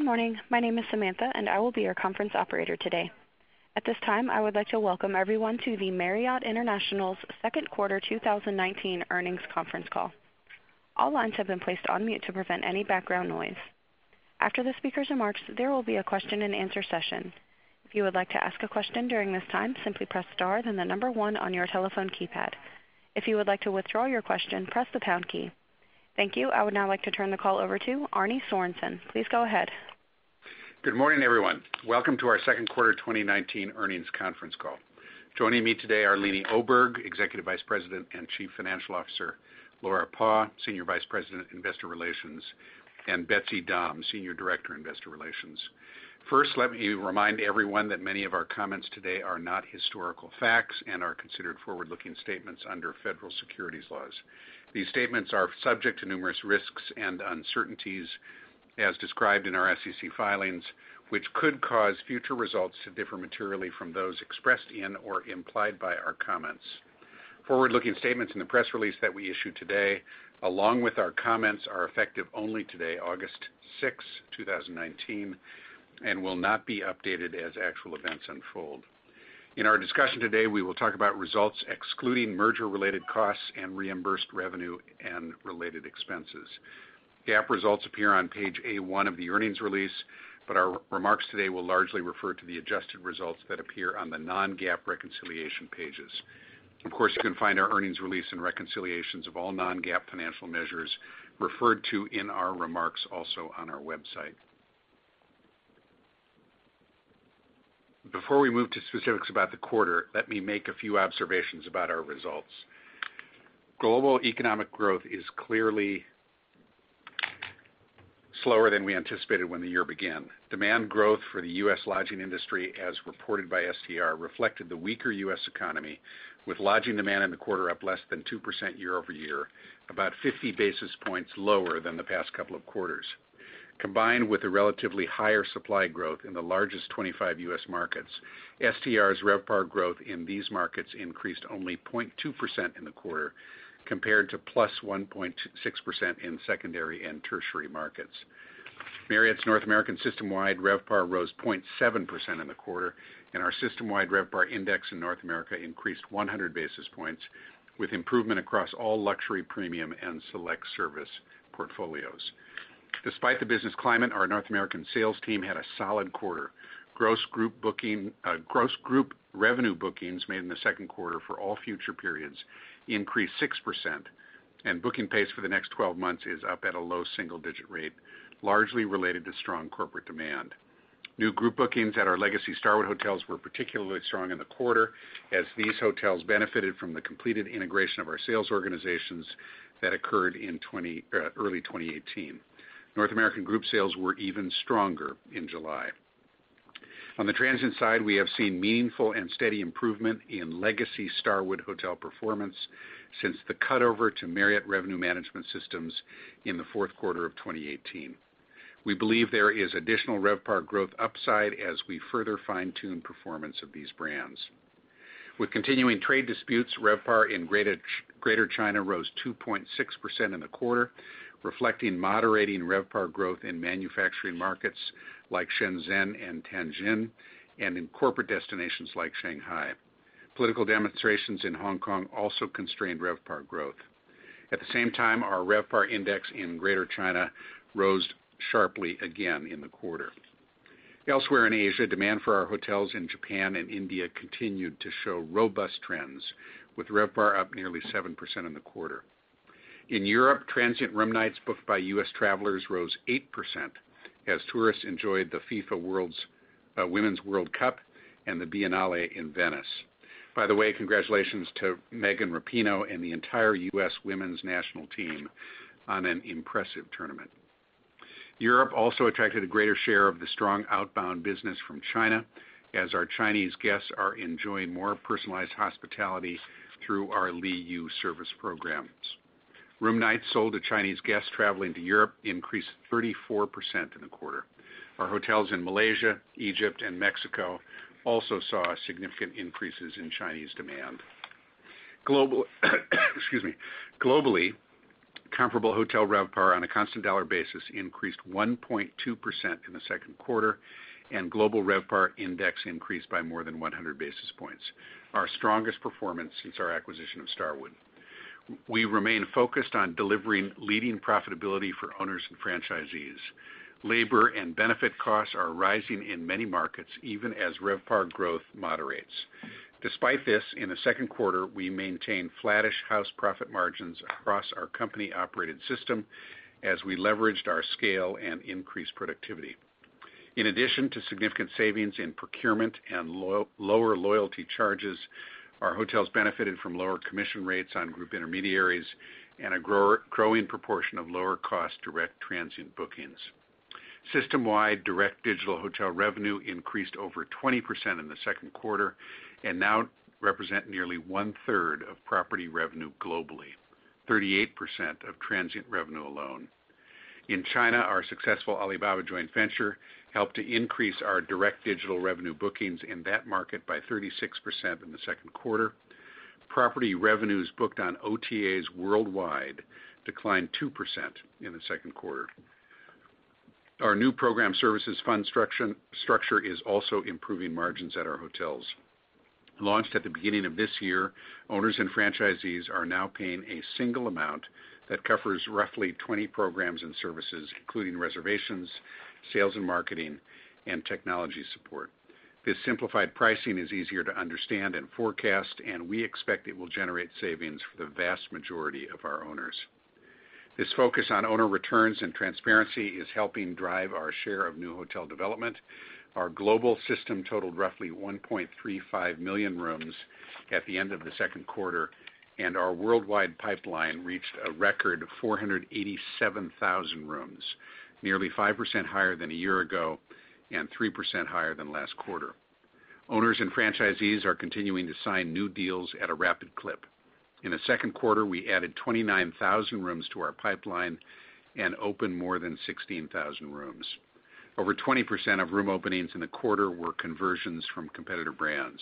Good morning. My name is Samantha, and I will be your conference operator today. At this time, I would like to welcome everyone to the Marriott International's second quarter 2019 earnings conference call. All lines have been placed on mute to prevent any background noise. After the speaker's remarks, there will be a question and answer session. If you would like to ask a question during this time, simply press star, then the number one on your telephone keypad. If you would like to withdraw your question, press the pound key. Thank you. I would now like to turn the call over to Arne Sorenson. Please go ahead. Good morning, everyone. Welcome to our second quarter 2019 earnings conference call. Joining me today are Leeny Oberg, Executive Vice President and Chief Financial Officer, Laura Paugh, Senior Vice President, Investor Relations, and Betsy Dahm, Senior Director, Investor Relations. Let me remind everyone that many of our comments today are not historical facts and are considered forward-looking statements under federal securities laws. These statements are subject to numerous risks and uncertainties as described in our SEC filings, which could cause future results to differ materially from those expressed in or implied by our comments. Forward-looking statements in the press release that we issue today, along with our comments, are effective only today, August 6, 2019, and will not be updated as actual events unfold. In our discussion today, we will talk about results excluding merger related costs and reimbursed revenue and related expenses. GAAP results appear on page A1 of the earnings release, but our remarks today will largely refer to the adjusted results that appear on the non-GAAP reconciliation pages. Of course, you can find our earnings release and reconciliations of all non-GAAP financial measures referred to in our remarks also on our website. Before we move to specifics about the quarter, let me make a few observations about our results. Global economic growth is clearly slower than we anticipated when the year began. Demand growth for the U.S. lodging industry, as reported by STR, reflected the weaker U.S. economy, with lodging demand in the quarter up less than 2% year-over-year, about 50 basis points lower than the past couple of quarters. Combined with a relatively higher supply growth in the largest 25 U.S. markets, STR's RevPAR growth in these markets increased only 0.2% in the quarter, compared to +1.6% in secondary and tertiary markets. Marriott's North American systemwide RevPAR rose 0.7% in the quarter, and our systemwide RevPAR index in North America increased 100 basis points, with improvement across all luxury premium and select service portfolios. Despite the business climate, our North American sales team had a solid quarter. Gross group revenue bookings made in the second quarter for all future periods increased 6%, and booking pace for the next 12 months is up at a low single-digit rate, largely related to strong corporate demand. New group bookings at our legacy Starwood hotels were particularly strong in the quarter, as these hotels benefited from the completed integration of our sales organizations that occurred in early 2018. North American group sales were even stronger in July. On the transient side, we have seen meaningful and steady improvement in legacy Starwood hotel performance since the cut-over to Marriott revenue management systems in the fourth quarter of 2018. We believe there is additional RevPAR growth upside as we further fine-tune performance of these brands. With continuing trade disputes, RevPAR in Greater China rose 2.6% in the quarter, reflecting moderating RevPAR growth in manufacturing markets like Shenzhen and Tianjin, and in corporate destinations like Shanghai. Political demonstrations in Hong Kong also constrained RevPAR growth. At the same time, our RevPAR index in Greater China rose sharply again in the quarter. Elsewhere in Asia, demand for our hotels in Japan and India continued to show robust trends, with RevPAR up nearly 7% in the quarter. In Europe, transient room nights booked by U.S. travelers rose 8% as tourists enjoyed the FIFA Women's World Cup and the Biennale in Venice. By the way, congratulations to Megan Rapinoe and the entire U.S. Women's National Team on an impressive tournament. Europe also attracted a greater share of the strong outbound business from China, as our Chinese guests are enjoying more personalized hospitality through our Li Yu service programs. Room nights sold to Chinese guests traveling to Europe increased 34% in the quarter. Our hotels in Malaysia, Egypt, and Mexico also saw significant increases in Chinese demand. Excuse me. Globally, comparable hotel RevPAR on a constant dollar basis increased 1.2% in the second quarter, and global RevPAR index increased by more than 100 basis points. Our strongest performance since our acquisition of Starwood. We remain focused on delivering leading profitability for owners and franchisees. Labor and benefit costs are rising in many markets, even as RevPAR growth moderates. Despite this, in the second quarter, we maintained flattish house profit margins across our company-operated system as we leveraged our scale and increased productivity. In addition to significant savings in procurement and lower loyalty charges, our hotels benefited from lower commission rates on group intermediaries and a growing proportion of lower cost direct transient bookings. System-wide direct digital hotel revenue increased over 20% in the second quarter and now represent nearly one-third of property revenue globally. 38% of transient revenue alone. In China, our successful Alibaba joint venture helped to increase our direct digital revenue bookings in that market by 36% in the second quarter. Property revenues booked on OTAs worldwide declined two percent in the second quarter. Our new program services fund structure is also improving margins at our hotels. Launched at the beginning of this year, owners and franchisees are now paying a single amount that covers roughly 20 programs and services, including reservations, sales and marketing, and technology support. This simplified pricing is easier to understand and forecast, and we expect it will generate savings for the vast majority of our owners. This focus on owner returns and transparency is helping drive our share of new hotel development. Our global system totaled roughly 1.35 million rooms at the end of the second quarter, and our worldwide pipeline reached a record 487,000 rooms, nearly 5% higher than a year ago and 3% higher than last quarter. Owners and franchisees are continuing to sign new deals at a rapid clip. In the second quarter, we added 29,000 rooms to our pipeline and opened more than 16,000 rooms. Over 20% of room openings in the quarter were conversions from competitor brands.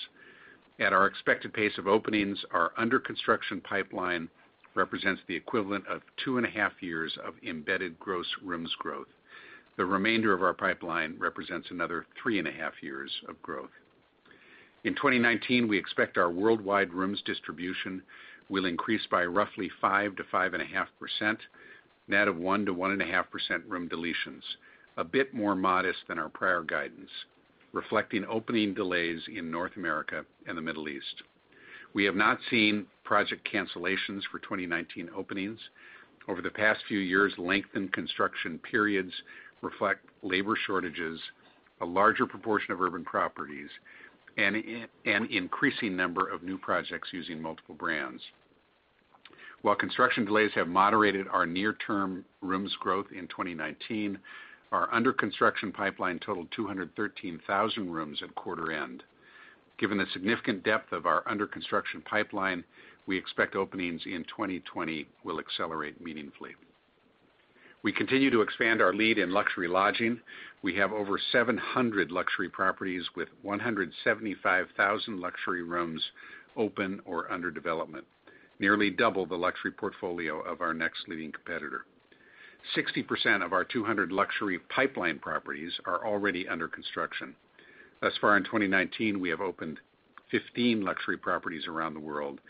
At our expected pace of openings, our under-construction pipeline represents the equivalent of two and a half years of embedded gross rooms growth. The remainder of our pipeline represents another three and a half years of growth. In 2019, we expect our worldwide rooms distribution will increase by roughly 5% to 5.5%, net of 1% to 1.5% room deletions, a bit more modest than our prior guidance, reflecting opening delays in North America and the Middle East. We have not seen project cancellations for 2019 openings. Over the past few years, lengthened construction periods reflect labor shortages, a larger proportion of urban properties, and an increasing number of new projects using multiple brands. While construction delays have moderated our near-term rooms growth in 2019, our under-construction pipeline totaled 213,000 rooms at quarter end. Given the significant depth of our under-construction pipeline, we expect openings in 2020 will accelerate meaningfully. We continue to expand our lead in luxury lodging. We have over 700 luxury properties with 175,000 luxury rooms open or under development, nearly double the luxury portfolio of our next leading competitor. 60% of our 200 luxury pipeline properties are already under construction. Thus far in 2019, we have opened 15 luxury properties around the world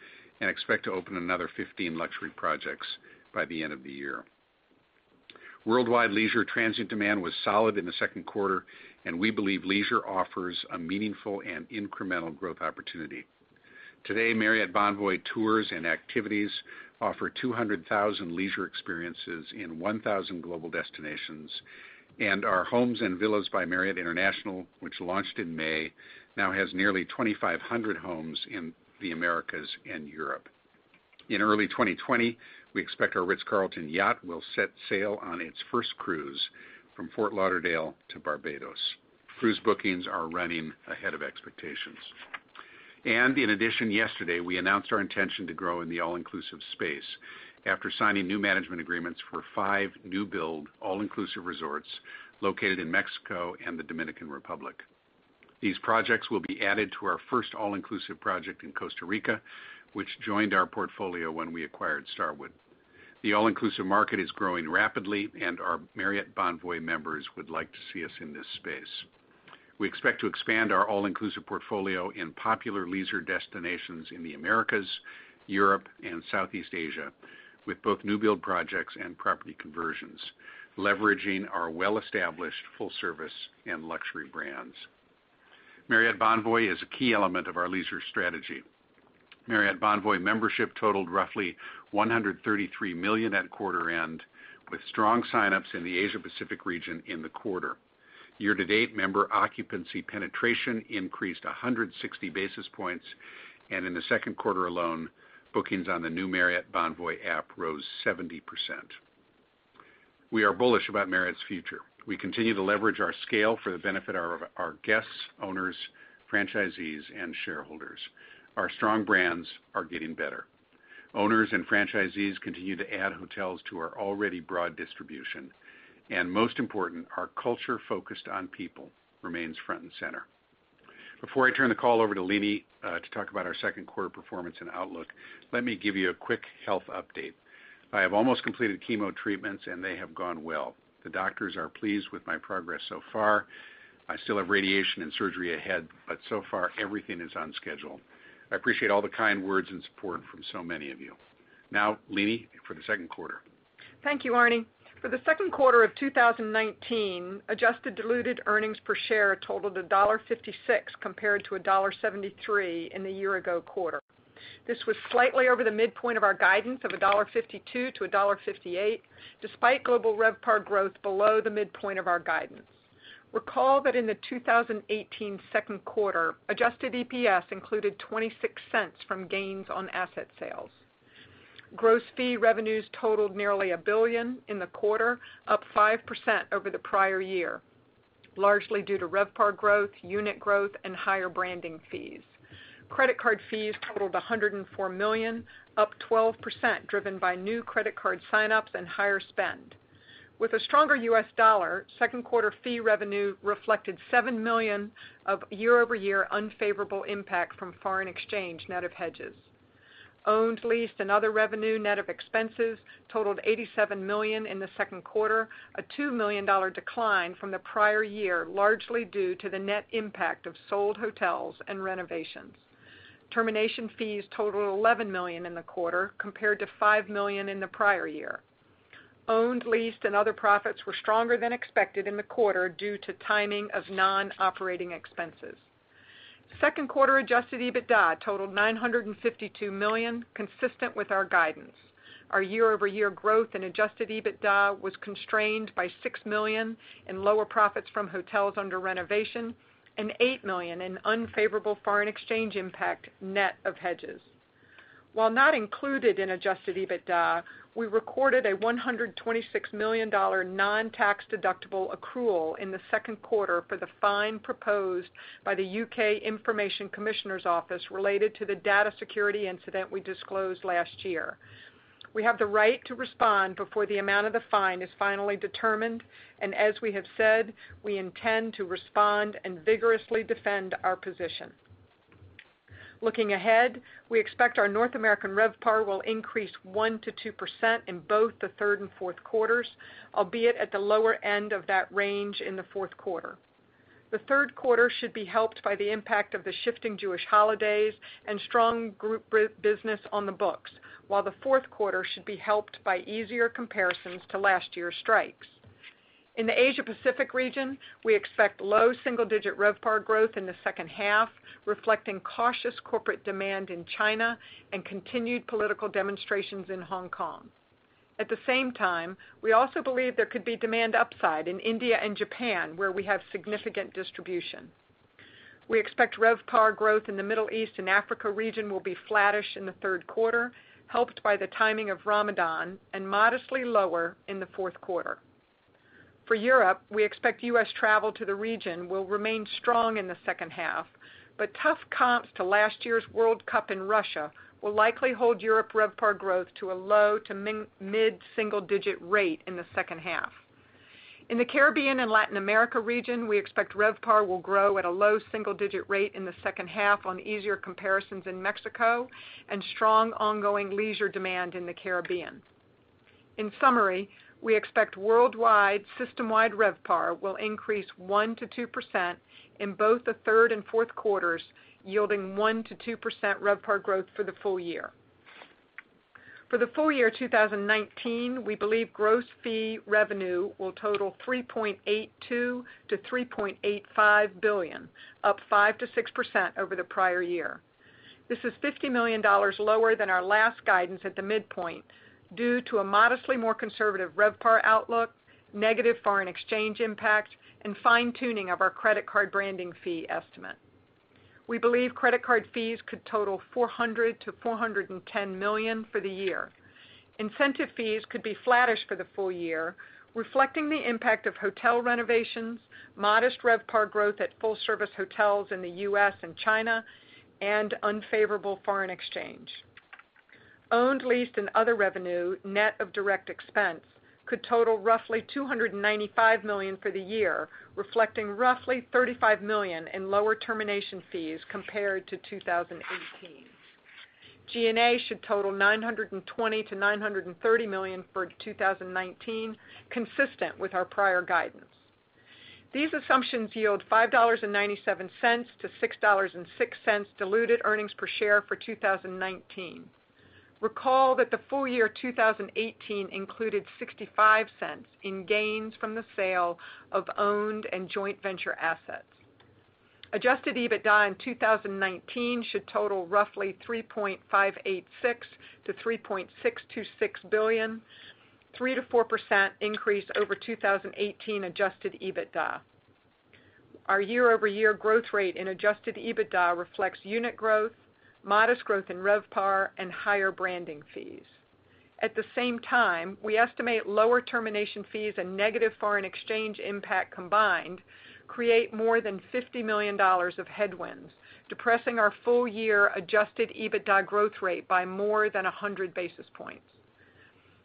and expect to open another 15 luxury projects by the end of the year. Worldwide leisure transient demand was solid in the second quarter, and we believe leisure offers a meaningful and incremental growth opportunity. Today, Marriott Bonvoy Tours & Activities offer 200,000 leisure experiences in 1,000 global destinations, and our Homes & Villas by Marriott International, which launched in May, now has nearly 2,500 homes in the Americas and Europe. In early 2020, we expect our Ritz-Carlton yacht will set sail on its first cruise from Fort Lauderdale to Barbados. Cruise bookings are running ahead of expectations. In addition, yesterday, we announced our intention to grow in the all-inclusive space after signing new management agreements for five new build all-inclusive resorts located in Mexico and the Dominican Republic. These projects will be added to our first all-inclusive project in Costa Rica, which joined our portfolio when we acquired Starwood. The all-inclusive market is growing rapidly, and our Marriott Bonvoy members would like to see us in this space. We expect to expand our all-inclusive portfolio in popular leisure destinations in the Americas, Europe, and Southeast Asia with both new build projects and property conversions, leveraging our well-established full service and luxury brands. Marriott Bonvoy is a key element of our leisure strategy. Marriott Bonvoy membership totaled roughly 133 million at quarter end, with strong signups in the Asia Pacific region in the quarter. Year-to-date member occupancy penetration increased 160 basis points, and in the second quarter alone, bookings on the new Marriott Bonvoy app rose 70%. We are bullish about Marriott's future. We continue to leverage our scale for the benefit of our guests, owners, franchisees, and shareholders. Our strong brands are getting better. Owners and franchisees continue to add hotels to our already broad distribution. Most important, our culture focused on people remains front and center. Before I turn the call over to Leeny to talk about our second quarter performance and outlook, let me give you a quick health update. I have almost completed chemo treatments, and they have gone well. The doctors are pleased with my progress so far. I still have radiation and surgery ahead, but so far, everything is on schedule. I appreciate all the kind words and support from so many of you. Leeny, for the second quarter. Thank you, Arne. For the second quarter of 2019, adjusted diluted earnings per share totaled $1.56 compared to $1.73 in the year-ago quarter. This was slightly over the midpoint of our guidance of $1.52 to $1.58, despite global RevPAR growth below the midpoint of our guidance. Recall that in the 2018 second quarter, adjusted EPS included $0.26 from gains on asset sales. Gross fee revenues totaled nearly a billion in the quarter, up 5% over the prior year. Largely due to RevPAR growth, unit growth, and higher branding fees. Credit card fees totaled $104 million, up 12%, driven by new credit card sign-ups and higher spend. With a stronger U.S. dollar, second quarter fee revenue reflected $7 million of year-over-year unfavorable impact from foreign exchange net of hedges. Owned, leased and other revenue net of expenses totaled $87 million in the second quarter, a $2 million decline from the prior year, largely due to the net impact of sold hotels and renovations. Termination fees totaled $11 million in the quarter, compared to $5 million in the prior year. Owned, leased and other profits were stronger than expected in the quarter due to timing of non-operating expenses. Second quarter adjusted EBITDA totaled $952 million, consistent with our guidance. Our year-over-year growth in adjusted EBITDA was constrained by $6 million in lower profits from hotels under renovation and $8 million in unfavorable foreign exchange impact net of hedges. While not included in adjusted EBITDA, we recorded a $126 million non-tax deductible accrual in the second quarter for the fine proposed by the U.K. Information Commissioner's Office related to the data security incident we disclosed last year. We have the right to respond before the amount of the fine is finally determined, and as we have said, we intend to respond and vigorously defend our position. Looking ahead, we expect our North American RevPAR will increase 1% to 2% in both the third and fourth quarters, albeit at the lower end of that range in the fourth quarter. The third quarter should be helped by the impact of the shifting Jewish holidays and strong group business on the books, while the fourth quarter should be helped by easier comparisons to last year's strikes. In the Asia Pacific region, we expect low single-digit RevPAR growth in the second half, reflecting cautious corporate demand in China and continued political demonstrations in Hong Kong. At the same time, we also believe there could be demand upside in India and Japan, where we have significant distribution. We expect RevPAR growth in the Middle East and Africa region will be flattish in the third quarter, helped by the timing of Ramadan, and modestly lower in the fourth quarter. For Europe, we expect U.S. travel to the region will remain strong in the second half, but tough comps to last year's World Cup in Russia will likely hold Europe RevPAR growth to a low to mid-single-digit rate in the second half. In the Caribbean and Latin America region, we expect RevPAR will grow at a low single-digit rate in the second half on easier comparisons in Mexico and strong ongoing leisure demand in the Caribbean. In summary, we expect worldwide system-wide RevPAR will increase 1% to 2% in both the third and fourth quarters, yielding 1% to 2% RevPAR growth for the full year. For the full year 2019, we believe gross fee revenue will total $3.82 billion-$3.85 billion, up 5%-6% over the prior year. This is $50 million lower than our last guidance at the midpoint due to a modestly more conservative RevPAR outlook, negative foreign exchange impact, and fine-tuning of our credit card branding fee estimate. We believe credit card fees could total $400 million-$410 million for the year. Incentive fees could be flattish for the full year, reflecting the impact of hotel renovations, modest RevPAR growth at full-service hotels in the U.S. and China, and unfavorable foreign exchange. Owned, leased and other revenue net of direct expense could total roughly $295 million for the year, reflecting roughly $35 million in lower termination fees compared to 2018. G&A should total $920 million-$930 million for 2019, consistent with our prior guidance. These assumptions yield $5.97 to $6.06 diluted earnings per share for 2019. Recall that the full year 2018 included $0.65 in gains from the sale of owned and joint venture assets. Adjusted EBITDA in 2019 should total roughly $3.586 billion-$3.626 billion, a 3%-4% increase over 2018 Adjusted EBITDA. Our year-over-year growth rate in Adjusted EBITDA reflects unit growth, modest growth in RevPAR, and higher branding fees. At the same time, we estimate lower termination fees and negative foreign exchange impact combined create more than $50 million of headwinds, depressing our full-year Adjusted EBITDA growth rate by more than 100 basis points.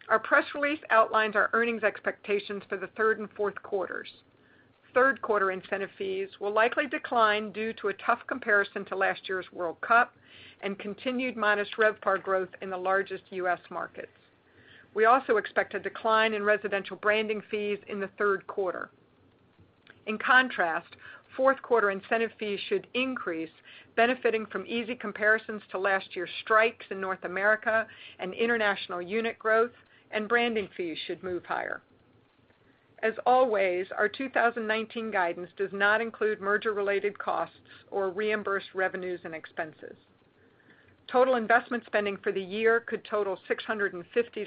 Our press release outlines our earnings expectations for the third and fourth quarters. Third quarter incentive fees will likely decline due to a tough comparison to last year's World Cup and continued modest RevPAR growth in the largest U.S. markets. We also expect a decline in residential branding fees in the third quarter. In contrast, fourth quarter incentive fees should increase, benefiting from easy comparisons to last year's strikes in North America and international unit growth. Branding fees should move higher. As always, our 2019 guidance does not include merger-related costs or reimbursed revenues and expenses. Total investment spending for the year could total $650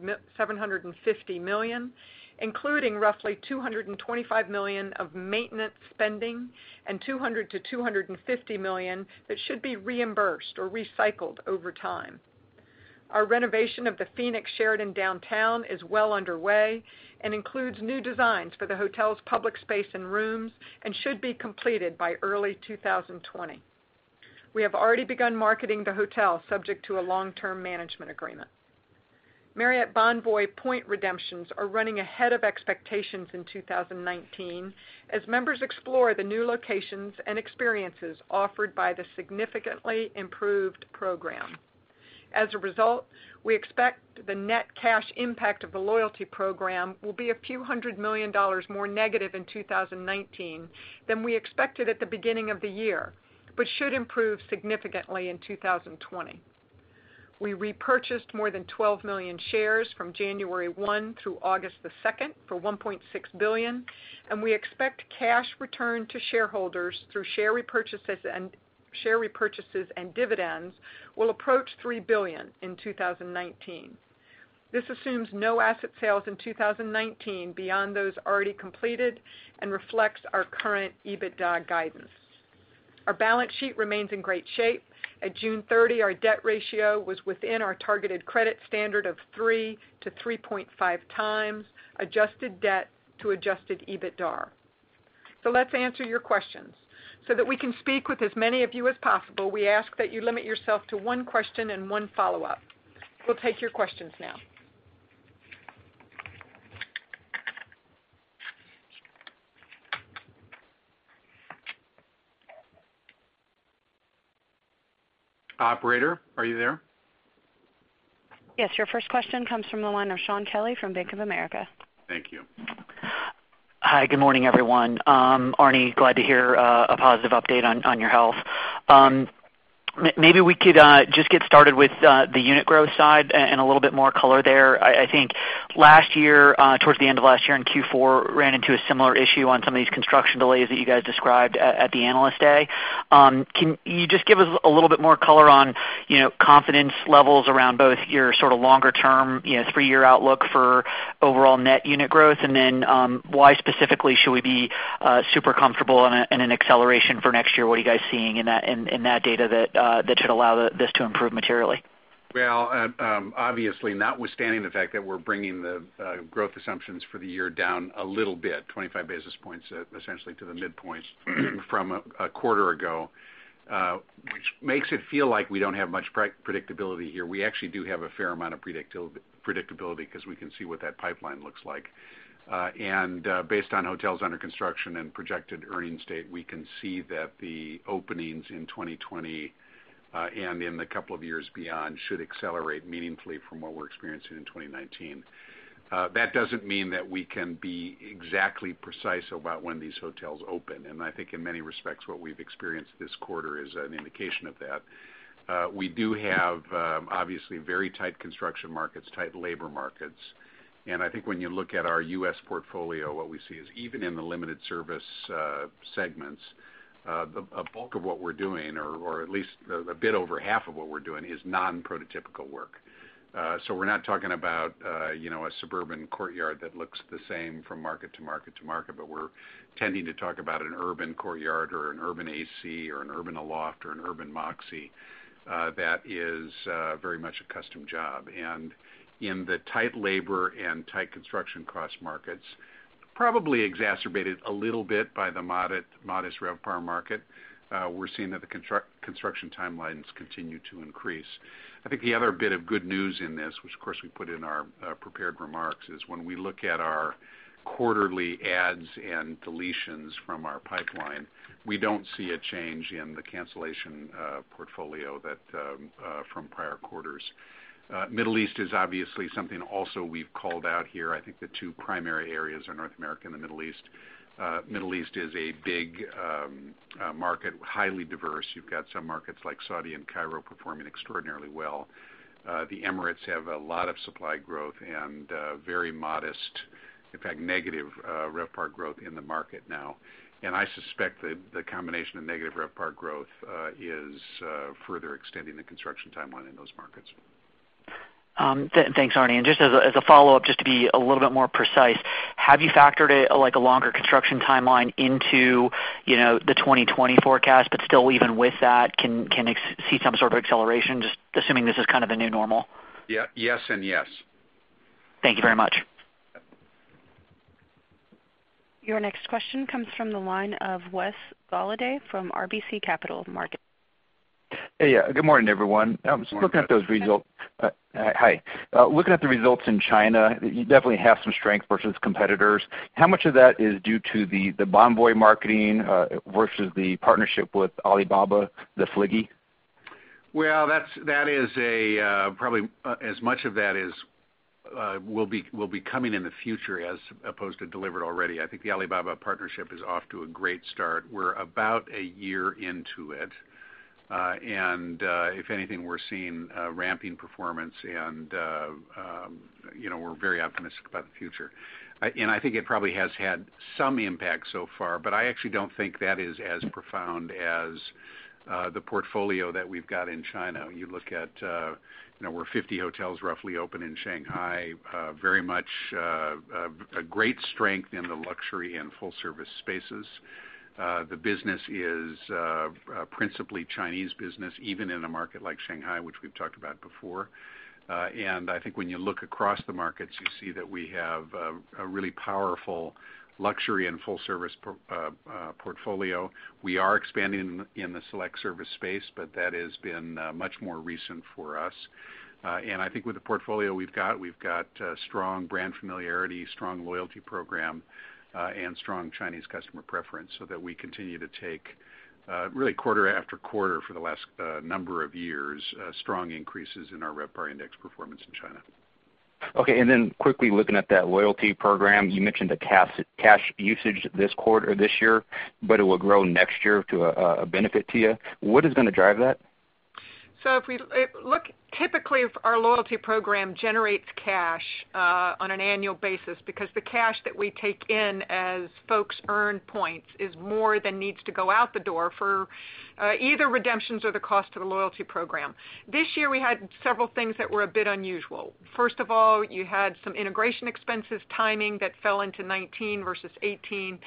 million-$750 million, including roughly $225 million of maintenance spending and $200 million-$250 million that should be reimbursed or recycled over time. Our renovation of the Sheraton Phoenix Downtown is well underway and includes new designs for the hotel's public space and rooms and should be completed by early 2020. We have already begun marketing the hotel subject to a long-term management agreement. We expect the net cash impact of the loyalty program will be a few hundred million dollars more negative in 2019 than we expected at the beginning of the year, but should improve significantly in 2020. We repurchased more than 12 million shares from January 1 through August the 2nd for $1.6 billion. We expect cash return to shareholders through share repurchases and dividends will approach $3 billion in 2019. This assumes no asset sales in 2019 beyond those already completed and reflects our current EBITDA guidance. Our balance sheet remains in great shape. At June 30, our debt ratio was within our targeted credit standard of 3 to 3.5 times adjusted debt to adjusted EBITDAR. Let's answer your questions. That we can speak with as many of you as possible, we ask that you limit yourself to one question and one follow-up. We'll take your questions now. Operator, are you there? Yes. Your first question comes from the line of Shaun Kelley from Bank of America. Thank you. Hi. Good morning, everyone. Arne, glad to hear a positive update on your health. Maybe we could just get started with the unit growth side and a little bit more color there. I think towards the end of last year in Q4, ran into a similar issue on some of these construction delays that you guys described at the Analyst Day. Can you just give us a little bit more color on confidence levels around both your sort of longer term, three-year outlook for overall net unit growth, and then why specifically should we be super comfortable in an acceleration for next year? What are you guys seeing in that data that should allow this to improve materially? Well, obviously notwithstanding the fact that we're bringing the growth assumptions for the year down a little bit, 25 basis points, essentially to the midpoint from a quarter ago, which makes it feel like we don't have much predictability here. We actually do have a fair amount of predictability because we can see what that pipeline looks like. Based on hotels under construction and projected earnings date, we can see that the openings in 2020, and in the couple of years beyond, should accelerate meaningfully from what we're experiencing in 2019. That doesn't mean that we can be exactly precise about when these hotels open, and I think in many respects what we've experienced this quarter is an indication of that. We do have obviously very tight construction markets, tight labor markets, and I think when you look at our U.S. portfolio, what we see is even in the limited service segments, a bulk of what we're doing or at least a bit over half of what we're doing is non-prototypical work. We're not talking about a suburban Courtyard that looks the same from market to market to market, but we're tending to talk about an urban Courtyard or an urban AC or an urban Aloft or an urban Moxy that is very much a custom job. In the tight labor and tight construction cost markets, probably exacerbated a little bit by the modest RevPAR market, we're seeing that the construction timelines continue to increase. I think the other bit of good news in this, which of course we put in our prepared remarks, is when we look at our quarterly adds and deletions from our pipeline, we don't see a change in the cancellation portfolio from prior quarters. Middle East is obviously something also we've called out here. I think the two primary areas are North America and the Middle East. Middle East is a big market, highly diverse. You've got some markets like Saudi and Cairo performing extraordinarily well. The Emirates have a lot of supply growth and very modest, in fact, negative RevPAR growth in the market now. I suspect that the combination of negative RevPAR growth is further extending the construction timeline in those markets. Thanks, Arne. Just as a follow-up, just to be a little bit more precise, have you factored a longer construction timeline into the 2020 forecast, but still even with that, can see some sort of acceleration, just assuming this is kind of the new normal? Yes and yes. Thank you very much. Your next question comes from the line of Wes Goliday from RBC Capital Markets. Hey. Good morning, everyone. Good morning. Just looking at those results. Hi. Looking at the results in China, you definitely have some strength versus competitors. How much of that is due to the Bonvoy marketing versus the partnership with Alibaba, the Fliggy? Well, probably as much of that will be coming in the future as opposed to delivered already. I think the Alibaba partnership is off to a great start. We're about a year into it. If anything, we're seeing ramping performance and we're very optimistic about the future. I think it probably has had some impact so far, but I actually don't think that is as profound as the portfolio that we've got in China. You look at where 50 hotels roughly open in Shanghai, very much a great strength in the luxury and full-service spaces. The business is principally Chinese business, even in a market like Shanghai, which we've talked about before. I think when you look across the markets, you see that we have a really powerful luxury and full-service portfolio. We are expanding in the select service space. That has been much more recent for us. I think with the portfolio we've got, we've got strong brand familiarity, strong loyalty program, and strong Chinese customer preference so that we continue to take, really quarter after quarter for the last number of years, strong increases in our RevPAR index performance in China. Okay. Quickly looking at that loyalty program, you mentioned the cash usage this year, but it will grow next year to a benefit to you. What is going to drive that? If we look, typically, our loyalty program generates cash on an annual basis because the cash that we take in as folks earn points is more than needs to go out the door for either redemptions or the cost of the loyalty program. This year, we had several things that were a bit unusual. First of all, you had some integration expenses timing that fell into 2019 versus 2018.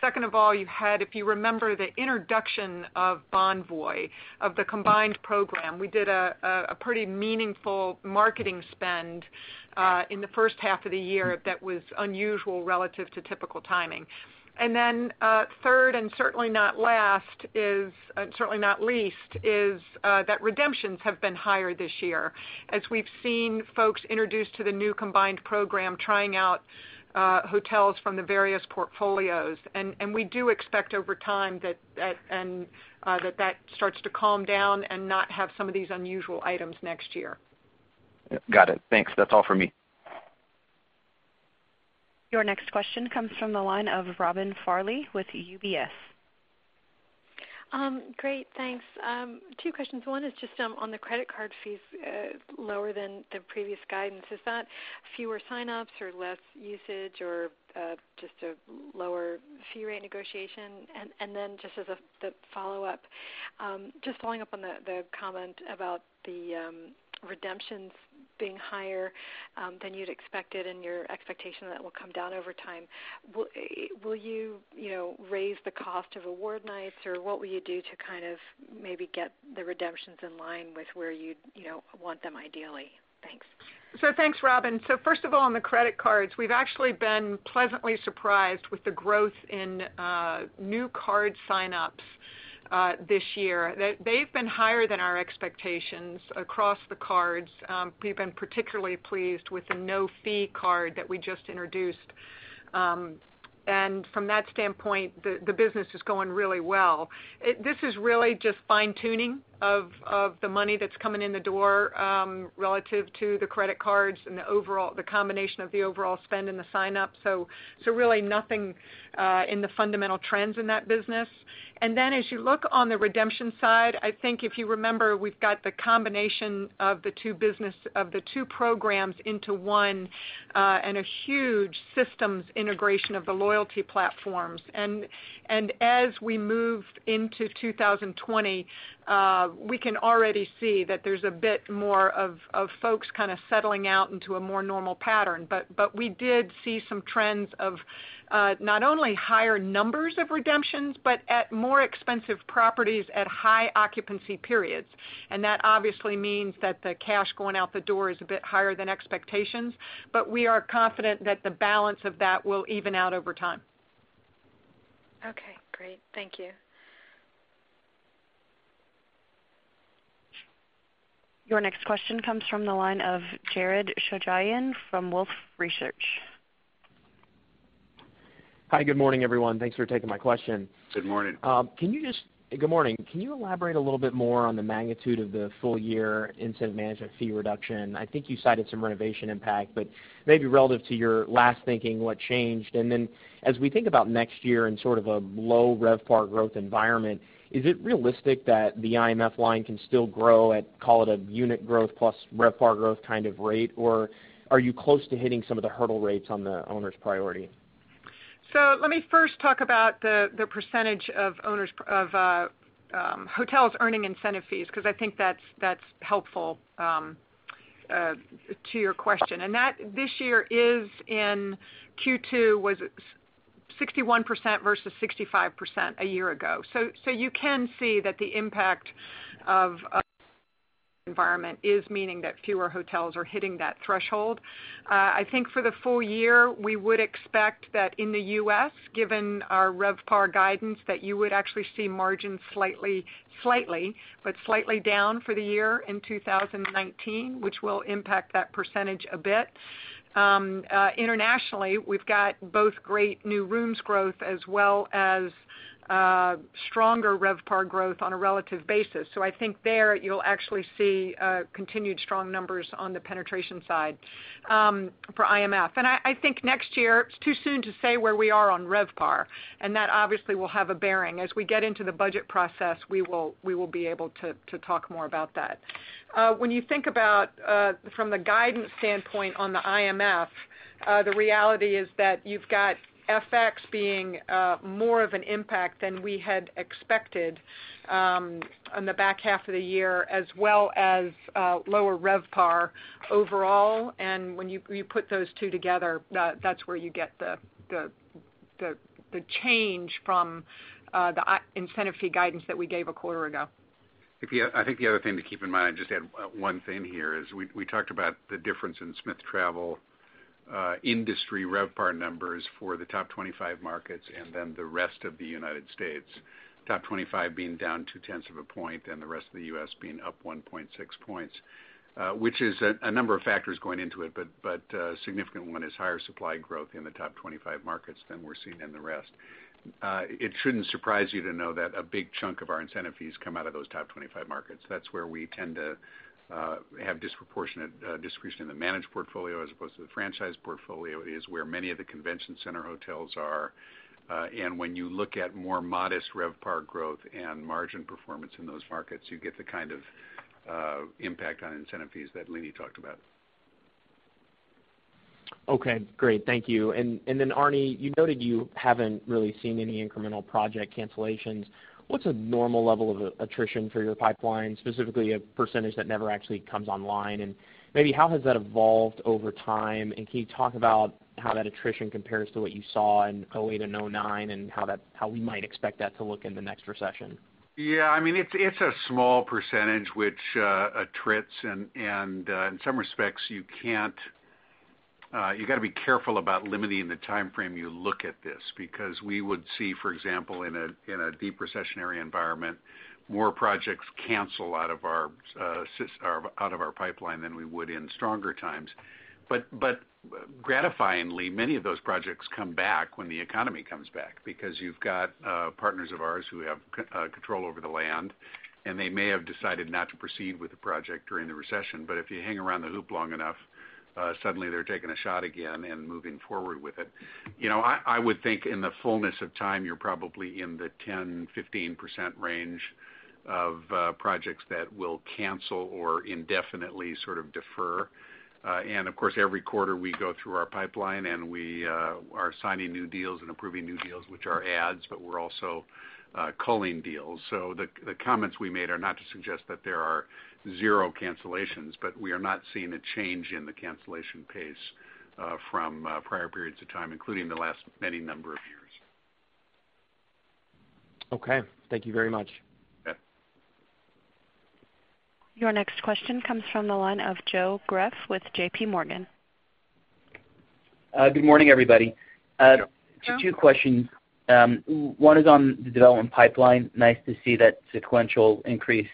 Second of all, you had, if you remember, the introduction of Bonvoy, of the combined program. We did a pretty meaningful marketing spend in the first half of the year that was unusual relative to typical timing. Third and certainly not least, is that redemptions have been higher this year as we've seen folks introduced to the new combined program, trying out hotels from the various portfolios. We do expect over time that that starts to calm down and not have some of these unusual items next year. Got it. Thanks. That's all for me. Your next question comes from the line of Robin Farley with UBS. Great. Thanks. Two questions. One is just on the credit card fees lower than the previous guidance. Is that fewer sign-ups or less usage or just a lower fee rate negotiation? Just as the follow-up, just following up on the comment about the redemptions being higher than you'd expected and your expectation that will come down over time. Will you raise the cost of award nights or what will you do to maybe get the redemptions in line with where you'd want them ideally? Thanks. Thanks, Robin. First of all, on the credit cards, we've actually been pleasantly surprised with the growth in new card sign-ups this year. They've been higher than our expectations across the cards. We've been particularly pleased with the no-fee card that we just introduced. From that standpoint, the business is going really well. This is really just fine-tuning of the money that's coming in the door relative to the credit cards and the combination of the overall spend and the sign-up. Really nothing in the fundamental trends in that business. Then as you look on the redemption side, I think if you remember, we've got the combination of the two programs into one, and a huge systems integration of the loyalty platforms. As we move into 2020, we can already see that there's a bit more of folks kind of settling out into a more normal pattern. We did see some trends of not only higher numbers of redemptions, but at more expensive properties at high occupancy periods. That obviously means that the cash going out the door is a bit higher than expectations, but we are confident that the balance of that will even out over time. Okay, great. Thank you. Your next question comes from the line of Jared Shojaian from Wolfe Research. Hi, good morning, everyone. Thanks for taking my question. Good morning. Good morning. Can you elaborate a little bit more on the magnitude of the full-year incentive management fee reduction? I think you cited some renovation impact, but maybe relative to your last thinking, what changed? As we think about next year in sort of a low RevPAR growth environment, is it realistic that the IMF line can still grow at, call it a unit growth plus RevPAR growth kind of rate? Are you close to hitting some of the hurdle rates on the owner's priority? Let me first talk about the percentage of hotels earning incentive fees, because I think that's helpful to your question. This year is in Q2 was 61% versus 65% a year ago. You can see that the impact of environment is meaning that fewer hotels are hitting that threshold. I think for the full year, we would expect that in the U.S., given our RevPAR guidance, that you would actually see margins slightly, but slightly down for the year in 2019, which will impact that percentage a bit. Internationally, we've got both great new rooms growth as well as stronger RevPAR growth on a relative basis. I think there you'll actually see continued strong numbers on the penetration side for IMF. I think next year, it's too soon to say where we are on RevPAR, and that obviously will have a bearing. As we get into the budget process, we will be able to talk more about that. When you think about from the guidance standpoint on the IMF, the reality is that you've got FX being more of an impact than we had expected on the back half of the year as well as lower RevPAR overall. When you put those two together, that's where you get the change from the incentive fee guidance that we gave a quarter ago. I think the other thing to keep in mind, just add one thing here, is we talked about the difference in Smith Travel industry RevPAR numbers for the top 25 markets, and then the rest of the U.S. Top 25 being down two-tenths of a point and the rest of the U.S. being up 1.6 points, which is a number of factors going into it, but a significant one is higher supply growth in the top 25 markets than we're seeing in the rest. It shouldn't surprise you to know that a big chunk of our incentive fees come out of those top 25 markets. That's where we tend to have disproportionate discretion in the managed portfolio as opposed to the franchise portfolio. It is where many of the convention center hotels are. When you look at more modest RevPAR growth and margin performance in those markets, you get the kind of impact on incentive fees that Leeny talked about. Okay, great. Thank you. Arne, you noted you haven't really seen any incremental project cancellations. What's a normal level of attrition for your pipeline, specifically a percentage that never actually comes online? Maybe how has that evolved over time, and can you talk about how that attrition compares to what you saw in 2008 to 2009, and how we might expect that to look in the next recession? Yeah, it's a small percentage which attrits, and in some respects, you've got to be careful about limiting the timeframe you look at this because we would see, for example, in a deep recessionary environment, more projects cancel out of our pipeline than we would in stronger times. Gratifyingly, many of those projects come back when the economy comes back because you've got partners of ours who have control over the land, and they may have decided not to proceed with the project during the recession. If you hang around the hoop long enough, suddenly they're taking a shot again and moving forward with it. I would think in the fullness of time, you're probably in the 10%-15% range of projects that will cancel or indefinitely sort of defer. Of course, every quarter we go through our pipeline and we are signing new deals and approving new deals, which are adds, but we're also culling deals. The comments we made are not to suggest that there are zero cancellations, but we are not seeing a change in the cancellation pace from prior periods of time, including the last many number of years. Okay. Thank you very much. Yeah. Your next question comes from the line of Joseph Greff with JPMorgan. Good morning, everybody. Joe. Two questions. One is on the development pipeline. Nice to see that sequential increase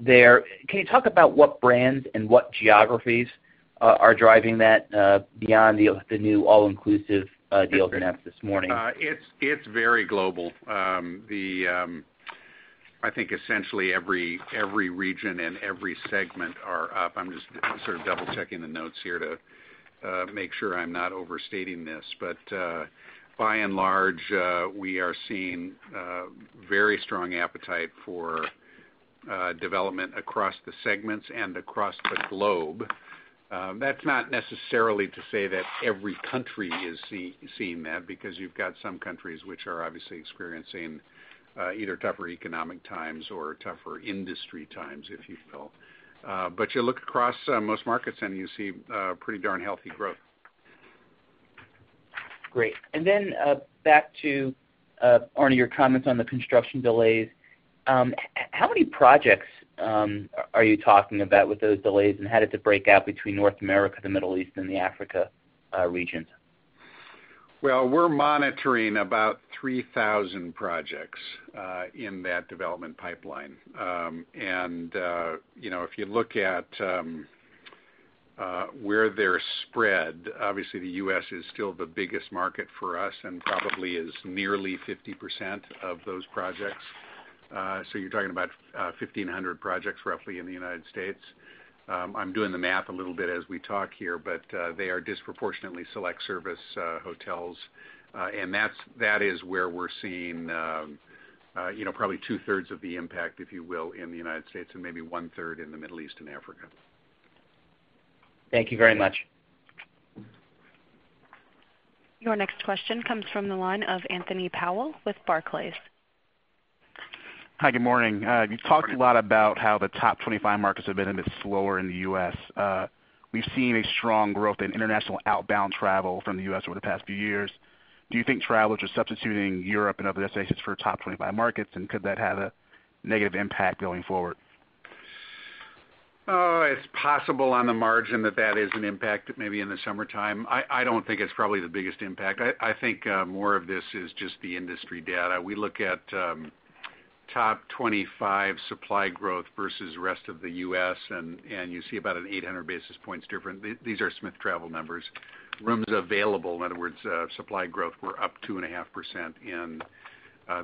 there. Can you talk about what brands and what geographies are driving that beyond the new all-inclusive deal you announced this morning? It's very global. I think essentially every region and every segment are up. I'm just sort of double-checking the notes here to make sure I'm not overstating this. By and large, we are seeing very strong appetite for development across the segments and across the globe. That's not necessarily to say that every country is seeing that because you've got some countries which are obviously experiencing either tougher economic times or tougher industry times, if you will. You look across most markets and you see pretty darn healthy growth. Great. Back to, Arne, your comments on the construction delays. How many projects are you talking about with those delays, and how did it break out between North America, the Middle East, and the Africa regions? Well, we're monitoring about 3,000 projects in that development pipeline. If you look at where they're spread, obviously the U.S. is still the biggest market for us and probably is nearly 50% of those projects. You're talking about 1,500 projects roughly in the United States. I'm doing the math a little bit as we talk here, but they are disproportionately select service hotels. That is where we're seeing probably two-thirds of the impact, if you will, in the United States and maybe one-third in the Middle East and Africa. Thank you very much. Your next question comes from the line of Anthony Powell with Barclays. Hi, good morning. Good morning. You've talked a lot about how the top 25 markets have been a bit slower in the U.S. We've seen a strong growth in international outbound travel from the U.S. over the past few years. Do you think travelers are substituting Europe and other destinations for top 25 markets, and could that have a negative impact going forward? It's possible on the margin that that is an impact maybe in the summertime. I don't think it's probably the biggest impact. I think more of this is just the industry data. We look at top 25 supply growth versus rest of the U.S., and you see about an 800 basis points difference. These are STR numbers. Rooms available, in other words, supply growth, were up 2.5% in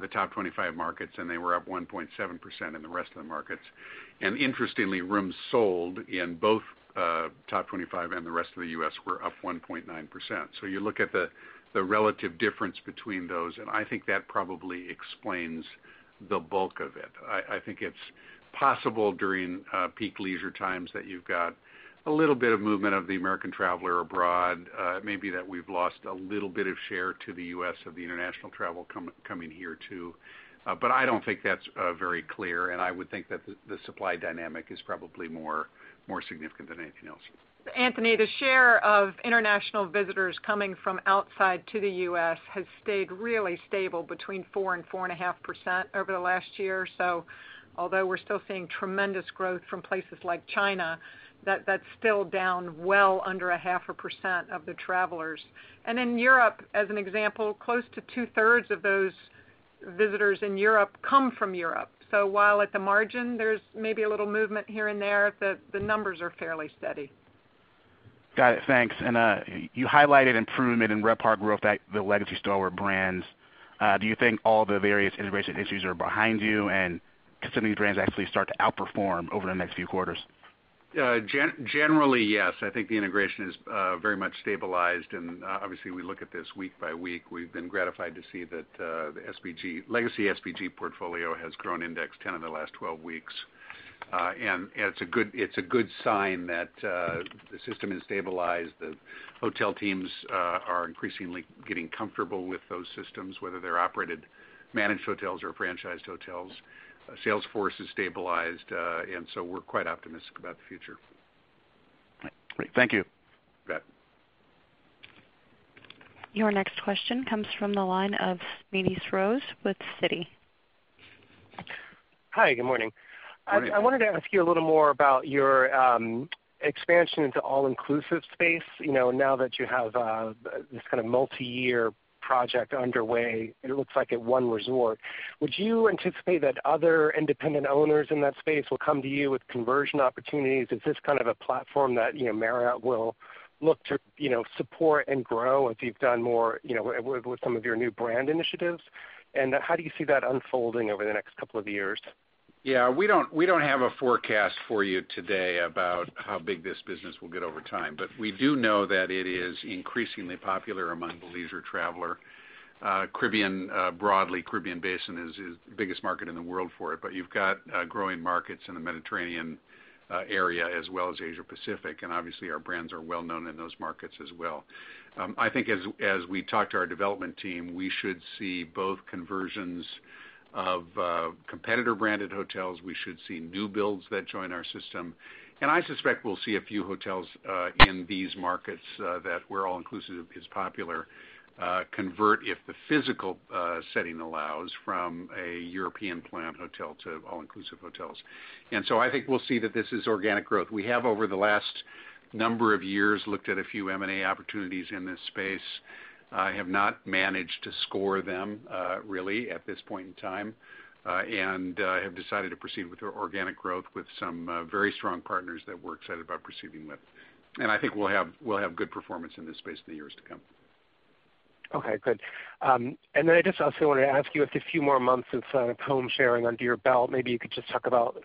the top 25 markets, and they were up 1.7% in the rest of the markets. Interestingly, rooms sold in both top 25 and the rest of the U.S. were up 1.9%. You look at the relative difference between those, and I think that probably explains the bulk of it. I think it's possible during peak leisure times that you've got a little bit of movement of the American traveler abroad. It may be that we've lost a little bit of share to the U.S. of the international travel coming here, too. I don't think that's very clear, I would think that the supply dynamic is probably more significant than anything else. Anthony, the share of international visitors coming from outside to the U.S. has stayed really stable between 4% and 4.5% over the last year or so. Although we're still seeing tremendous growth from places like China, that's still down well under 0.5% of the travelers. In Europe, as an example, close to two-thirds of those visitors in Europe come from Europe. While at the margin there's maybe a little movement here and there, the numbers are fairly steady. Got it. Thanks. You highlighted improvement in RevPAR growth at the legacy Starwood brands. Do you think all the various integration issues are behind you, and can some of these brands actually start to outperform over the next few quarters? Generally, yes. I think the integration is very much stabilized, and obviously we look at this week by week. We've been gratified to see that the legacy SPG portfolio has grown index 10 in the last 12 weeks. It's a good sign that the system has stabilized. The hotel teams are increasingly getting comfortable with those systems, whether they're operated managed hotels or franchised hotels. Sales force is stabilized, and so we're quite optimistic about the future. Great. Thank you. You bet. Your next question comes from the line of Smedes Rose with Citi. Hi, good morning. Good morning. I wanted to ask you a little more about your expansion into all-inclusive space. Now that you have this kind of multi-year project underway, it looks like at one resort. Would you anticipate that other independent owners in that space will come to you with conversion opportunities? Is this a platform that Marriott will look to support and grow as you've done more with some of your new brand initiatives? How do you see that unfolding over the next couple of years? Yeah, we don't have a forecast for you today about how big this business will get over time. We do know that it is increasingly popular among the leisure traveler. Broadly, Caribbean Basin is the biggest market in the world for it. You've got growing markets in the Mediterranean area as well as Asia Pacific, and obviously our brands are well-known in those markets as well. I think as we talk to our development team, we should see both conversions of competitor-branded hotels. We should see new builds that join our system. I suspect we'll see a few hotels in these markets that where all-inclusive is popular convert, if the physical setting allows, from a European plan hotel to all-inclusive hotels. I think we'll see that this is organic growth. We have, over the last number of years, looked at a few M&A opportunities in this space, have not managed to score them, really, at this point in time, and have decided to proceed with our organic growth with some very strong partners that we're excited about proceeding with. I think we'll have good performance in this space in the years to come. Okay, good. I just also wanted to ask you, with the few more months of home sharing under your belt, maybe you could just talk about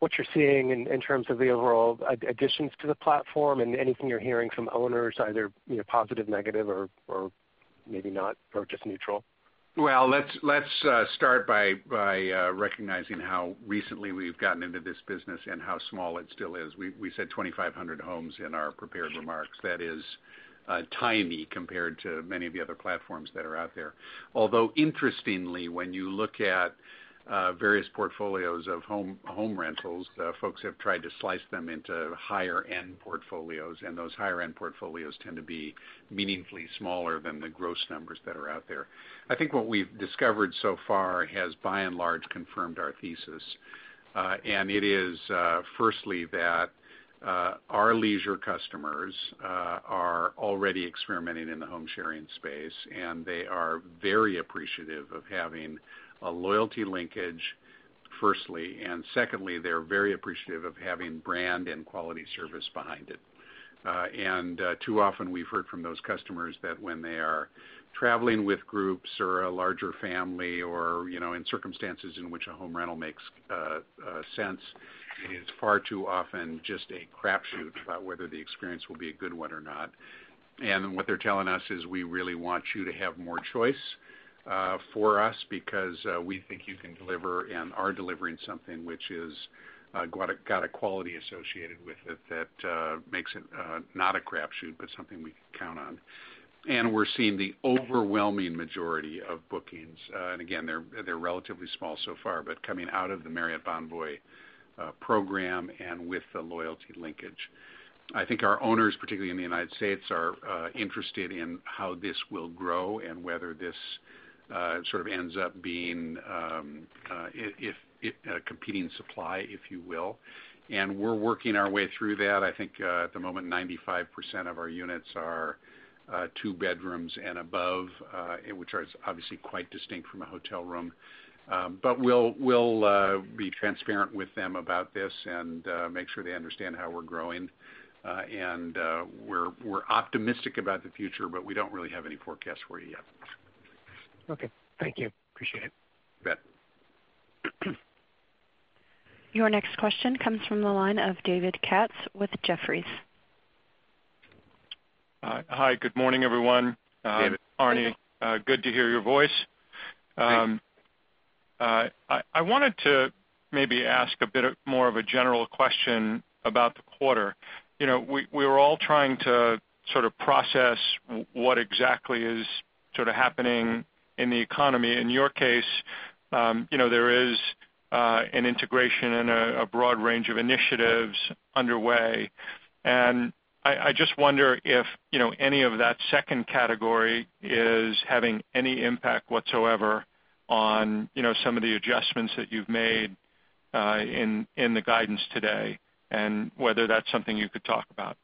what you're seeing in terms of the overall additions to the platform and anything you're hearing from owners, either positive, negative, or maybe not, or just neutral. Well, let's start by recognizing how recently we've gotten into this business and how small it still is. We said 2,500 homes in our prepared remarks. That is tiny compared to many of the other platforms that are out there. Although interestingly, when you look at various portfolios of home rentals, folks have tried to slice them into higher-end portfolios, and those higher-end portfolios tend to be meaningfully smaller than the gross numbers that are out there. I think what we've discovered so far has by and large confirmed our thesis. It is firstly that our leisure customers are already experimenting in the home sharing space, and they are very appreciative of having a loyalty linkage, firstly. Secondly, they are very appreciative of having brand and quality service behind it. Too often, we've heard from those customers that when they are traveling with groups or a larger family or in circumstances in which a home rental makes sense, it is far too often just a crapshoot about whether the experience will be a good one or not. What they're telling us is we really want you to have more choice for us because we think you can deliver and are delivering something which has got a quality associated with it that makes it not a crapshoot, but something we can count on. We're seeing the overwhelming majority of bookings, and again, they're relatively small so far, but coming out of the Marriott Bonvoy program and with the loyalty linkage. I think our owners, particularly in the U.S., are interested in how this will grow and whether this ends up being competing supply, if you will. We're working our way through that. I think at the moment, 95% of our units are two bedrooms and above, which are obviously quite distinct from a hotel room. We'll be transparent with them about this and make sure they understand how we're growing. We're optimistic about the future, but we don't really have any forecasts for you yet. Okay. Thank you. Appreciate it. You bet. Your next question comes from the line of David Katz with Jefferies. Hi. Good morning, everyone. David. Arne, good to hear your voice. Thanks. I wanted to maybe ask a bit more of a general question about the quarter. We are all trying to process what exactly is happening in the economy. In your case, there is an integration and a broad range of initiatives underway. I just wonder if any of that second category is having any impact whatsoever on some of the adjustments that you've made in the guidance today, and whether that's something you could talk about.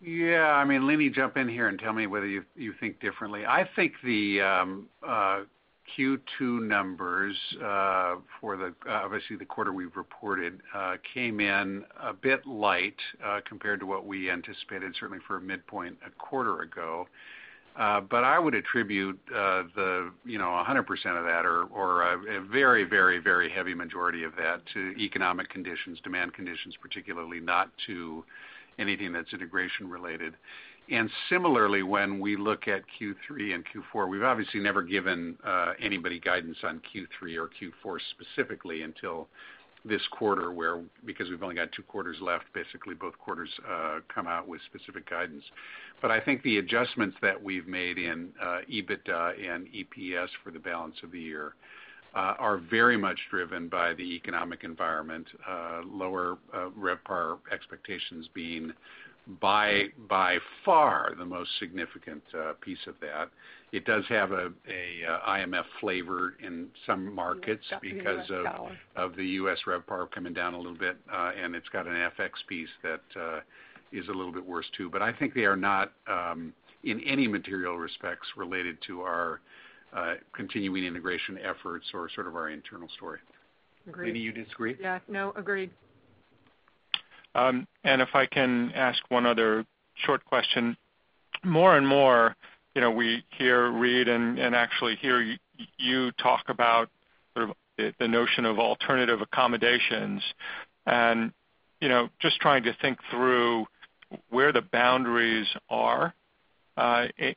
Yeah. I mean, Leeny, jump in here and tell me whether you think differently. I think the Q2 numbers for the, obviously the quarter we've reported, came in a bit light compared to what we anticipated, certainly for a midpoint a quarter ago. I would attribute 100% of that or a very heavy majority of that to economic conditions, demand conditions particularly, not to anything that's integration related. Similarly, when we look at Q3 and Q4, we've obviously never given anybody guidance on Q3 or Q4 specifically until this quarter because we've only got two quarters left. Basically, both quarters come out with specific guidance. I think the adjustments that we've made in EBITDA and EPS for the balance of the year are very much driven by the economic environment, lower RevPAR expectations being by far the most significant piece of that. It does have a IMF flavor in some markets because of the U.S. RevPAR coming down a little bit, and it's got an FX piece that is a little bit worse too. I think they are not, in any material respects, related to our continuing integration efforts or sort of our internal story. Agreed. Leeny, you disagree? Yeah, no, agreed. If I can ask one other short question. More and more, we hear, read, and actually hear you talk about sort of the notion of alternative accommodations. Just trying to think through where the boundaries are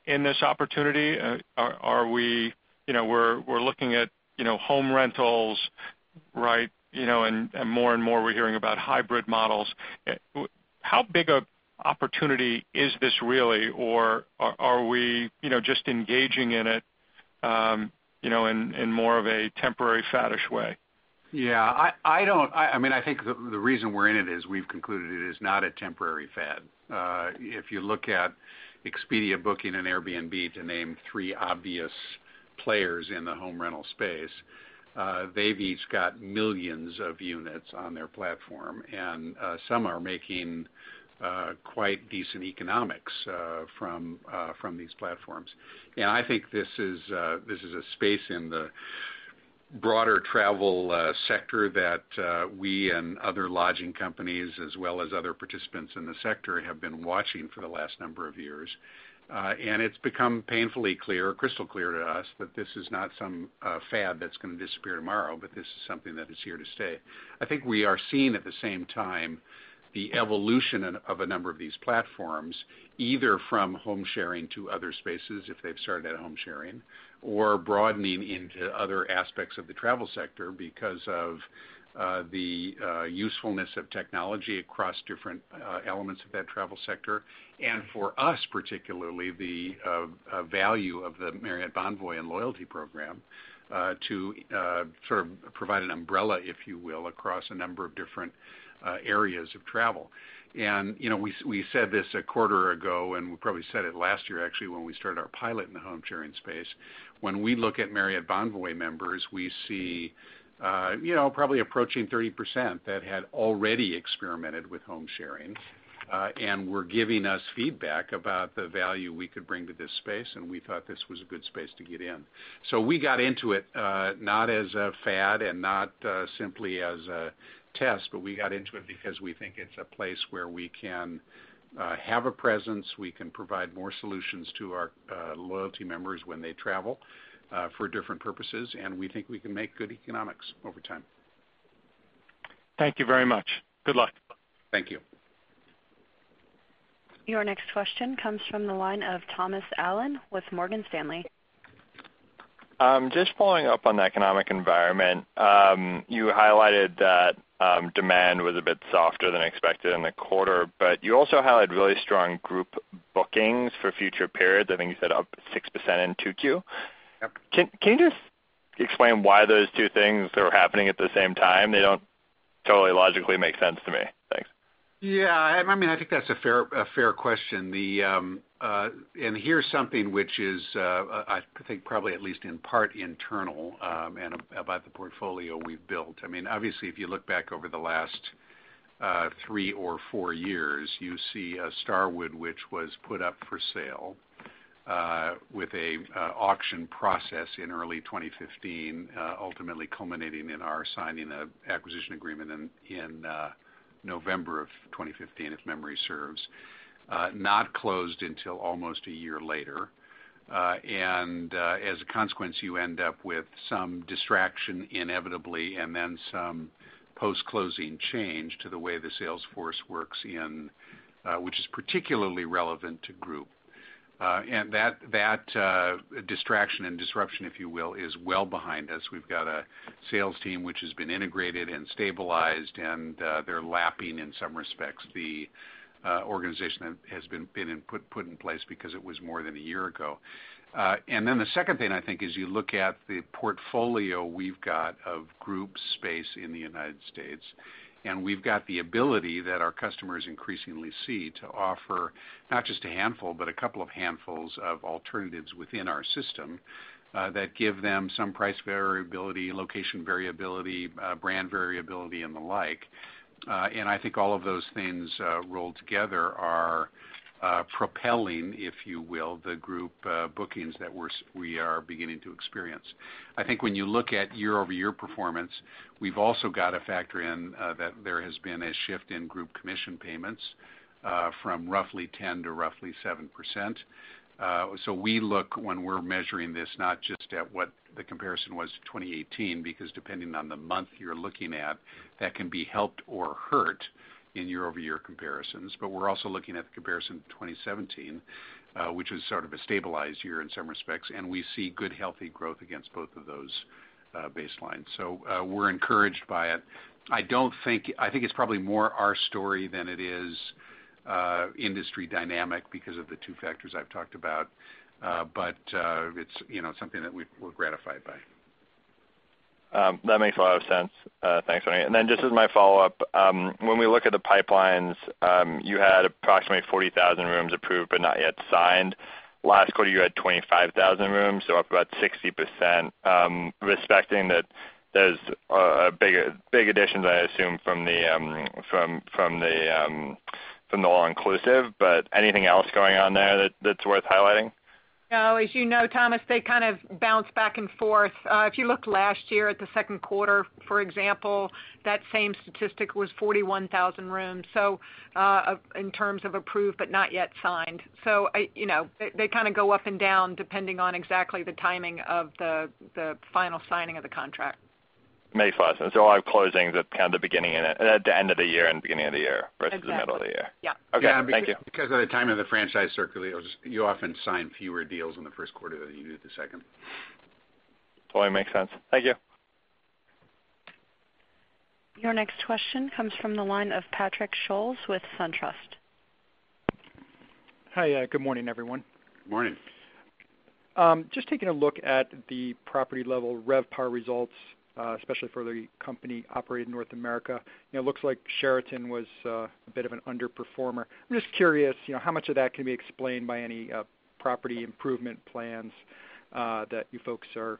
in this opportunity. We're looking at home rentals, right? More and more we're hearing about hybrid models. How big an opportunity is this really? Or are we just engaging in it in more of a temporary faddish way? Yeah. I think the reason we are in it is we have concluded it is not a temporary fad. If you look at Expedia, Booking.com, and Airbnb, to name three obvious players in the home rental space, they have each got millions of units on their platform. Some are making quite decent economics from these platforms. I think this is a space in the broader travel sector that we and other lodging companies, as well as other participants in the sector, have been watching for the last number of years. It has become painfully clear, crystal clear to us that this is not some fad that is going to disappear tomorrow, but this is something that is here to stay. I think we are seeing at the same time the evolution of a number of these platforms, either from home sharing to other spaces, if they've started at home sharing, or broadening into other aspects of the travel sector because of the usefulness of technology across different elements of that travel sector. For us, particularly, the value of the Marriott Bonvoy and loyalty program to sort of provide an umbrella, if you will, across a number of different areas of travel. We said this a quarter ago, and we probably said it last year actually when we started our pilot in the home sharing space. When we look at Marriott Bonvoy members, we see probably approaching 30% that had already experimented with home sharing and were giving us feedback about the value we could bring to this space. We thought this was a good space to get in. We got into it not as a fad and not simply as a test. We got into it because we think it's a place where we can have a presence, we can provide more solutions to our loyalty members when they travel for different purposes, and we think we can make good economics over time. Thank you very much. Good luck. Thank you. Your next question comes from the line of Thomas Allen with Morgan Stanley. Just following up on the economic environment. You highlighted that demand was a bit softer than expected in the quarter, but you also highlighted really strong group bookings for future periods. I think you said up 6% in 2Q. Yep. Can you just explain why those two things are happening at the same time? They don't totally logically make sense to me. Thanks. Yeah. I think that's a fair question. Here's something which is I think probably at least in part internal and about the portfolio we've built. Obviously, if you look back over the last three or four years, you see Starwood, which was put up for sale with an auction process in early 2015, ultimately culminating in our signing an acquisition agreement in November of 2015, if memory serves. Not closed until almost a year later. As a consequence, you end up with some distraction inevitably and then some post-closing change to the way the sales force works in, which is particularly relevant to group. That distraction and disruption, if you will, is well behind us. We've got a sales team which has been integrated and stabilized, and they're lapping in some respects the organization that has been put in place because it was more than one year ago. The second thing I think is you look at the portfolio we've got of group space in the U.S., and we've got the ability that our customers increasingly see to offer not just a handful, but a couple of handfuls of alternatives within our system that give them some price variability, location variability, brand variability, and the like. I think all of those things rolled together are propelling, if you will, the group bookings that we are beginning to experience. When you look at year-over-year performance, we've also got to factor in that there has been a shift in group commission payments from roughly 10% to roughly 7%. We look, when we're measuring this, not just at what the comparison was to 2018, because depending on the month you're looking at, that can be helped or hurt in year-over-year comparisons. We're also looking at the comparison to 2017, which was sort of a stabilized year in some respects, and we see good, healthy growth against both of those baselines. We're encouraged by it. I think it's probably more our story than it is industry dynamic because of the two factors I've talked about. It's something that we're gratified by. That makes a lot of sense. Thanks, Arne. Just as my follow-up, when we look at the pipelines, you had approximately 40,000 rooms approved but not yet signed. Last quarter, you had 25,000 rooms, up about 60%. Respecting that there's big additions, I assume, from the all-inclusive, anything else going on there that's worth highlighting? As you know, Thomas, they kind of bounce back and forth. If you looked last year at the second quarter, for example, that same statistic was 41,000 rooms, so in terms of approved but not yet signed. They kind of go up and down depending on exactly the timing of the final signing of the contract. Makes a lot of sense. A lot of closings at the end of the year and beginning of the year versus the middle of the year. Exactly. Yeah. Okay. Thank you. Yeah, because of the time of the franchise circulators, you often sign fewer deals in the first quarter than you do the second. Totally makes sense. Thank you. Your next question comes from the line of Patrick Scholes with SunTrust. Hi. Good morning, everyone. Good morning. Just taking a look at the property-level RevPAR results, especially for the company operating North America. It looks like Sheraton was a bit of an underperformer. I'm just curious, how much of that can be explained by any property improvement plans that you folks are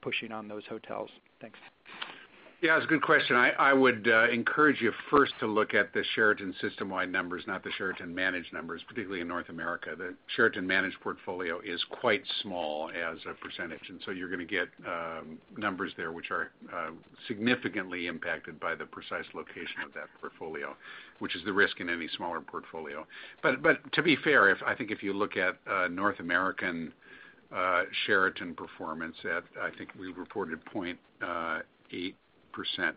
pushing on those hotels? Thanks. It's a good question. I would encourage you first to look at the Sheraton system-wide numbers, not the Sheraton managed numbers, particularly in North America. The Sheraton managed portfolio is quite small as a percentage, and so you're going to get numbers there which are significantly impacted by the precise location of that portfolio, which is the risk in any smaller portfolio. To be fair, I think if you look at North American Sheraton performance at, I think we reported 0.8%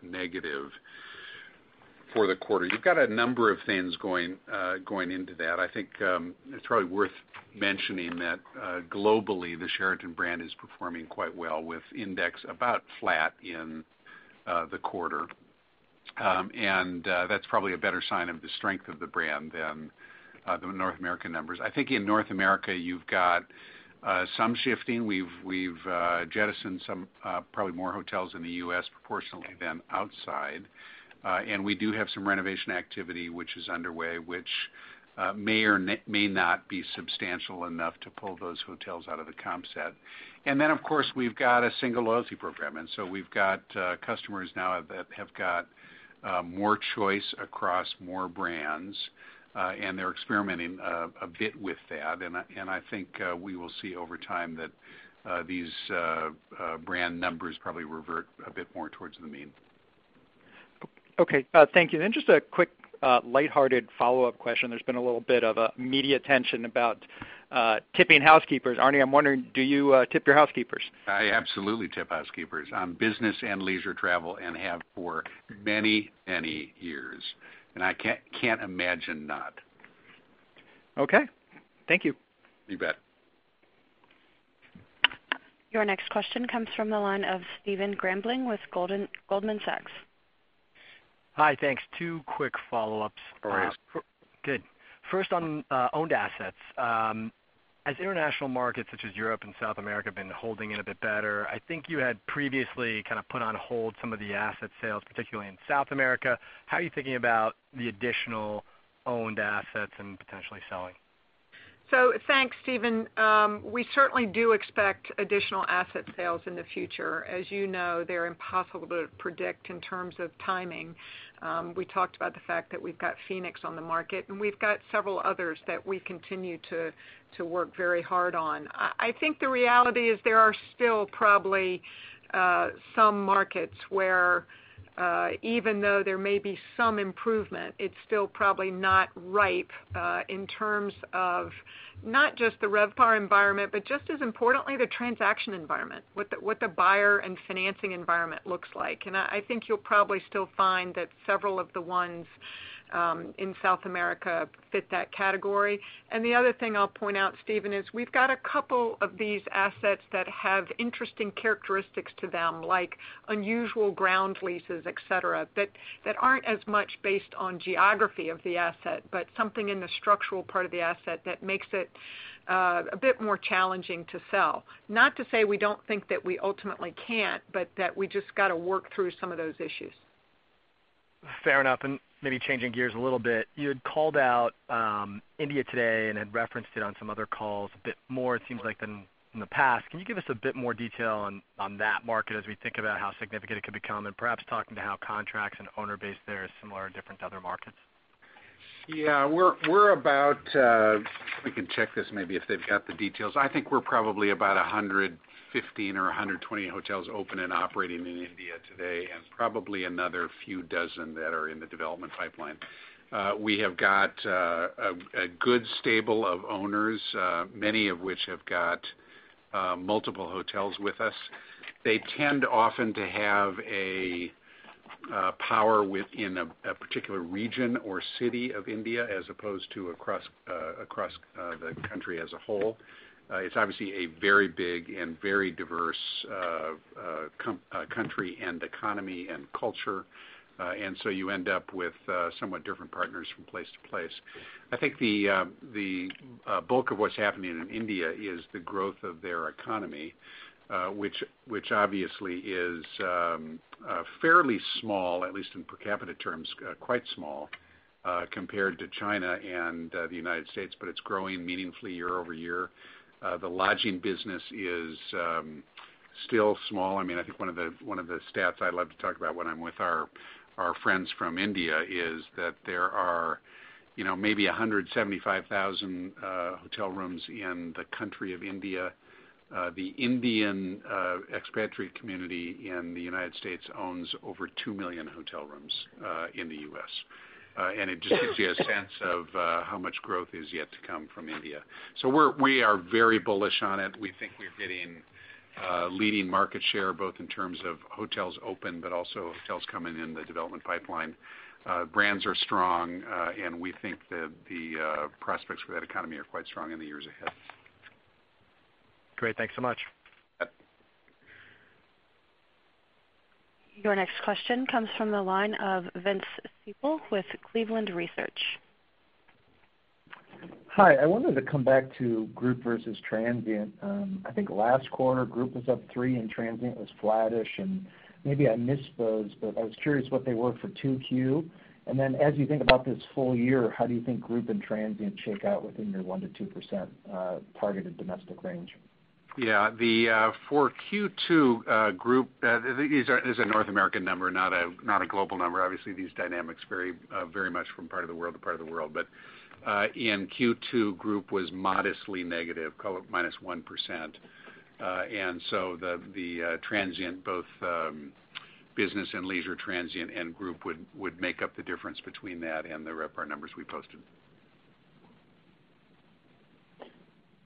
negative for the quarter. You've got a number of things going into that. I think it's probably worth mentioning that globally, the Sheraton brand is performing quite well, with index about flat in the quarter. That's probably a better sign of the strength of the brand than the North American numbers. I think in North America, you've got some shifting. We've jettisoned some probably more hotels in the U.S. proportionally than outside. We do have some renovation activity which is underway, which may or may not be substantial enough to pull those hotels out of the comp set. Of course, we've got a single loyalty program, and so we've got customers now that have got more choice across more brands, and they're experimenting a bit with that. I think we will see over time that these brand numbers probably revert a bit more towards the mean. Okay. Thank you. Just a quick light-hearted follow-up question. There's been a little bit of a media tension about tipping housekeepers. Arne, I'm wondering, do you tip your housekeepers? I absolutely tip housekeepers on business and leisure travel and have for many years, and I can't imagine not. Okay. Thank you. You bet. Your next question comes from the line of Stephen Grambling with Goldman Sachs. Hi. Thanks. Two quick follow-ups. All right. Good. First on owned assets. As international markets such as Europe and South America have been holding in a bit better, I think you had previously kind of put on hold some of the asset sales, particularly in South America. How are you thinking about the additional owned assets and potentially selling? Thanks, Stephen. We certainly do expect additional asset sales in the future. As you know, they're impossible to predict in terms of timing. We talked about the fact that we've got Phoenix on the market, and we've got several others that we continue to work very hard on. I think the reality is there are still probably some markets where even though there may be some improvement, it's still probably not ripe in terms of not just the RevPAR environment, but just as importantly, the transaction environment, what the buyer and financing environment looks like. I think you'll probably still find that several of the ones in South America fit that category. The other thing I'll point out, Stephen, is we've got a couple of these assets that have interesting characteristics to them, like unusual ground leases, et cetera, that aren't as much based on geography of the asset, but something in the structural part of the asset that makes it a bit more challenging to sell. Not to say we don't think that we ultimately can't, but that we just got to work through some of those issues. Fair enough. Maybe changing gears a little bit, you had called out India today and had referenced it on some other calls a bit more, it seems like, than in the past. Can you give us a bit more detail on that market as we think about how significant it could become, and perhaps talking to how contracts and owner base there is similar or different to other markets? Yeah. We can check this maybe if they've got the details. I think we're probably about 115 or 120 hotels open and operating in India today, and probably another few dozen that are in the development pipeline. We have got a good stable of owners, many of which have got multiple hotels with us. They tend often to have a power within a particular region or city of India as opposed to across the country as a whole. It's obviously a very big and very diverse country and economy and culture. So you end up with somewhat different partners from place to place. I think the bulk of what's happening in India is the growth of their economy which obviously is fairly small, at least in per capita terms, quite small compared to China and the United States, but it's growing meaningfully year-over-year. The lodging business is still small. I think one of the stats I love to talk about when I'm with our friends from India is that there are maybe 175,000 hotel rooms in the country of India. The Indian expatriate community in the United States owns over 2 million hotel rooms in the U.S. It just gives you a sense of how much growth is yet to come from India. We are very bullish on it. We think we're getting leading market share, both in terms of hotels open, but also hotels coming in the development pipeline. Brands are strong, and we think that the prospects for that economy are quite strong in the years ahead. Great. Thanks so much. Yep. Your next question comes from the line of Vince Ciepiel with Cleveland Research. Hi, I wanted to come back to group versus transient. I think last quarter group was up three and transient was flattish, and maybe I missed those, but I was curious what they were for 2Q. Then as you think about this full year, how do you think group and transient shake out within your 1% to 2% targeted domestic range? Yeah. For Q2, group, it is a North American number, not a global number. Obviously, these dynamics vary very much from part of the world to part of the world. In Q2, group was modestly negative, call it -1%. The transient, both business and leisure transient and group would make up the difference between that and the RevPAR numbers we posted.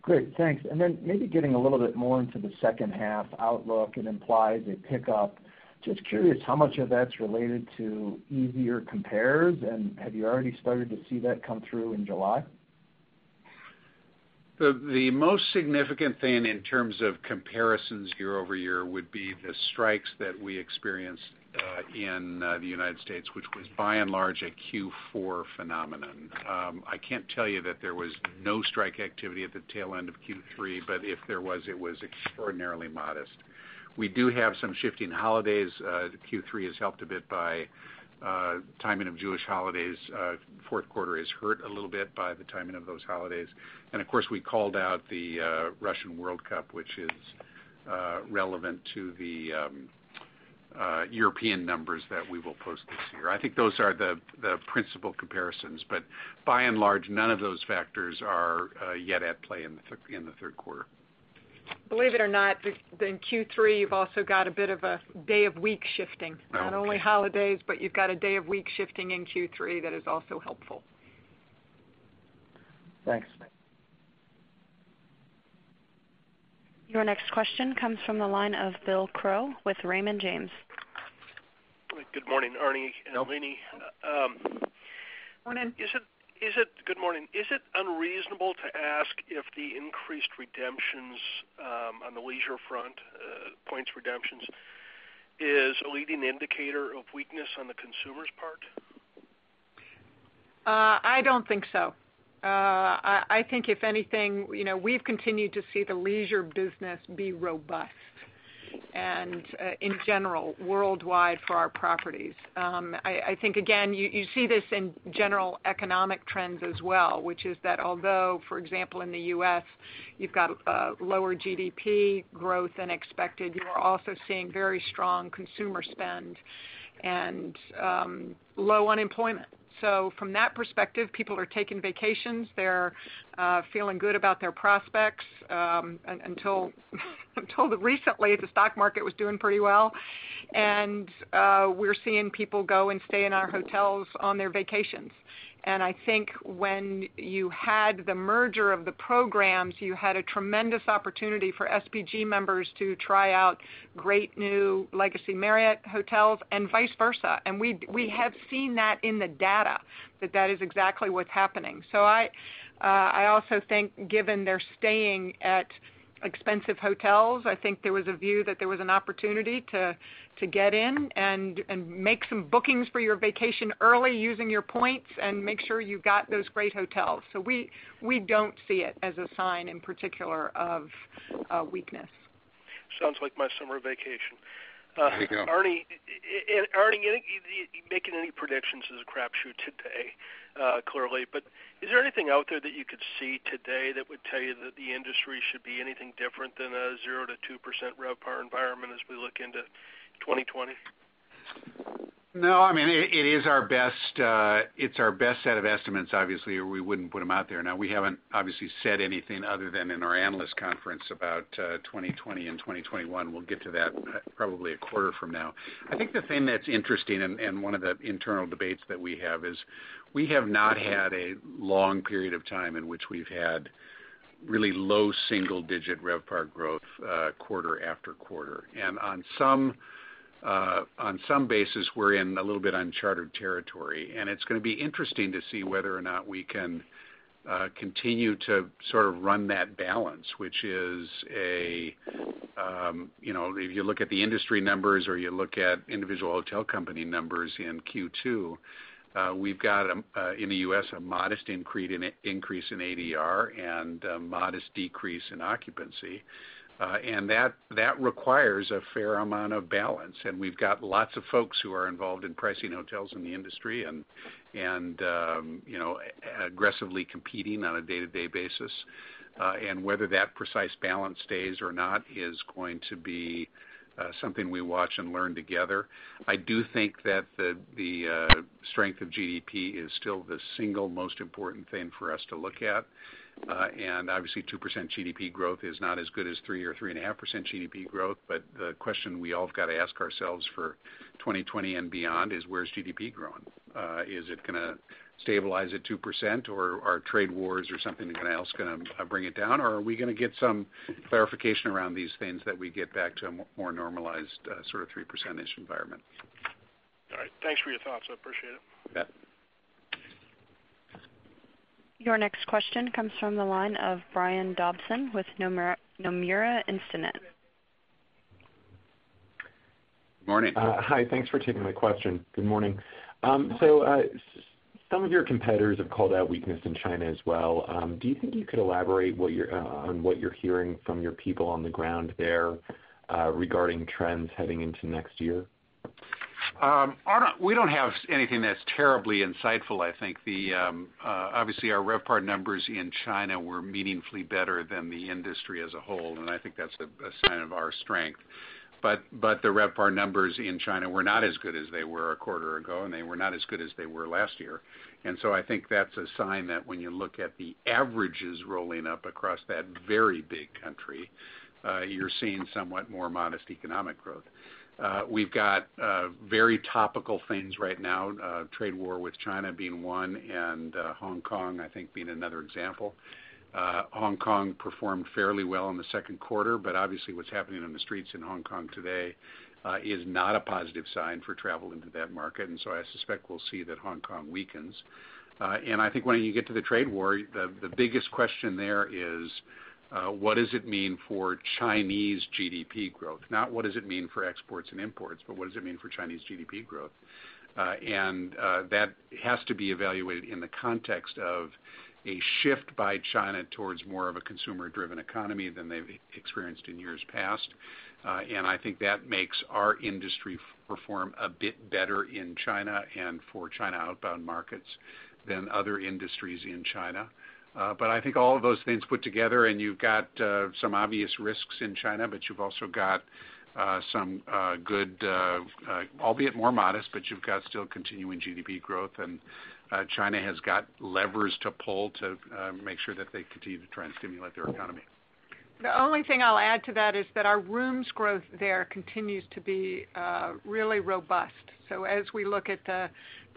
Great, thanks. Maybe getting a little bit more into the second half outlook, it implies a pickup. Just curious how much of that's related to easier compares, and have you already started to see that come through in July? The most significant thing in terms of comparisons year-over-year would be the strikes that we experienced in the United States, which was by and large a Q4 phenomenon. I can't tell you that there was no strike activity at the tail end of Q3, but if there was, it was extraordinarily modest. We do have some shifting holidays. Q3 is helped a bit by timing of Jewish holidays. Fourth quarter is hurt a little bit by the timing of those holidays. Of course, we called out the Russian World Cup, which is relevant to the European numbers that we will post this year. I think those are the principal comparisons. By and large, none of those factors are yet at play in the third quarter. Believe it or not, in Q3, you've also got a bit of a day of week shifting. Not only holidays, but you've got a day of week shifting in Q3 that is also helpful. Thanks. Your next question comes from the line of Bill Crow with Raymond James. Good morning, Arne and Leeny. Morning. Good morning. Is it unreasonable to ask if the increased redemptions on the leisure front, points redemptions, is a leading indicator of weakness on the consumer's part? I don't think so. I think if anything, we've continued to see the leisure business be robust and in general, worldwide for our properties. I think, again, you see this in general economic trends as well, which is that although, for example, in the U.S. you've got a lower GDP growth than expected, you are also seeing very strong consumer spend and low unemployment. From that perspective, people are taking vacations. They're feeling good about their prospects. Until recently, the stock market was doing pretty well, and we're seeing people go and stay in our hotels on their vacations. I think when you had the merger of the programs, you had a tremendous opportunity for SPG members to try out great new Legacy Marriott hotels and vice versa. We have seen that in the data that that is exactly what's happening. I also think given they're staying at expensive hotels, I think there was a view that there was an opportunity to get in and make some bookings for your vacation early using your points and make sure you got those great hotels. We don't see it as a sign in particular of weakness. Sounds like my summer vacation. There you go. Arne, making any predictions is a crapshoot today, clearly. Is there anything out there that you could see today that would tell you that the industry should be anything different than a 0%-2% RevPAR environment as we look into 2020? No, it is our best set of estimates, obviously, or we wouldn't put them out there. We haven't, obviously, said anything other than in our analyst conference about 2020 and 2021. We'll get to that probably a quarter from now. I think the thing that's interesting and one of the internal debates that we have is we have not had a long period of time in which we've had really low single-digit RevPAR growth quarter after quarter. On some basis, we're in a little bit unchartered territory, and it's going to be interesting to see whether or not we can continue to run that balance. If you look at the industry numbers or you look at individual hotel company numbers in Q2, we've got, in the U.S., a modest increase in ADR and a modest decrease in occupancy. That requires a fair amount of balance, and we've got lots of folks who are involved in pricing hotels in the industry and aggressively competing on a day-to-day basis. Whether that precise balance stays or not is going to be something we watch and learn together. I do think that the strength of GDP is still the single most important thing for us to look at. Obviously 2% GDP growth is not as good as 3% or 3.5% GDP growth. The question we all have got to ask ourselves for 2020 and beyond is where is GDP growing? Is it going to stabilize at 2%, or are trade wars or something else going to bring it down, or are we going to get some clarification around these things that we get back to a more normalized sort of 3% environment? All right. Thanks for your thoughts. I appreciate it. Yeah. Your next question comes from the line of Brian Dobson with Nomura Instinet. Morning. Hi. Thanks for taking my question. Good morning. Some of your competitors have called out weakness in China as well. Do you think you could elaborate on what you're hearing from your people on the ground there regarding trends heading into next year? We don't have anything that's terribly insightful. I think, obviously, our RevPAR numbers in China were meaningfully better than the industry as a whole, and I think that's a sign of our strength. The RevPAR numbers in China were not as good as they were a quarter ago, and they were not as good as they were last year. I think that's a sign that when you look at the averages rolling up across that very big country, you're seeing somewhat more modest economic growth. We've got very topical things right now, trade war with China being one, and Hong Kong, I think, being another example. Hong Kong performed fairly well in the second quarter, but obviously what's happening on the streets in Hong Kong today is not a positive sign for travel into that market. I suspect we'll see that Hong Kong weakens. I think when you get to the trade war, the biggest question there is what does it mean for Chinese GDP growth? Not what does it mean for exports and imports, but what does it mean for Chinese GDP growth? That has to be evaluated in the context of a shift by China towards more of a consumer-driven economy than they've experienced in years past. I think that makes our industry perform a bit better in China and for China outbound markets than other industries in China. I think all of those things put together, and you've got some obvious risks in China, but you've also got some good, albeit more modest, but you've got still continuing GDP growth, and China has got levers to pull to make sure that they continue to try and stimulate their economy. The only thing I'll add to that is that our rooms growth there continues to be really robust. As we look at the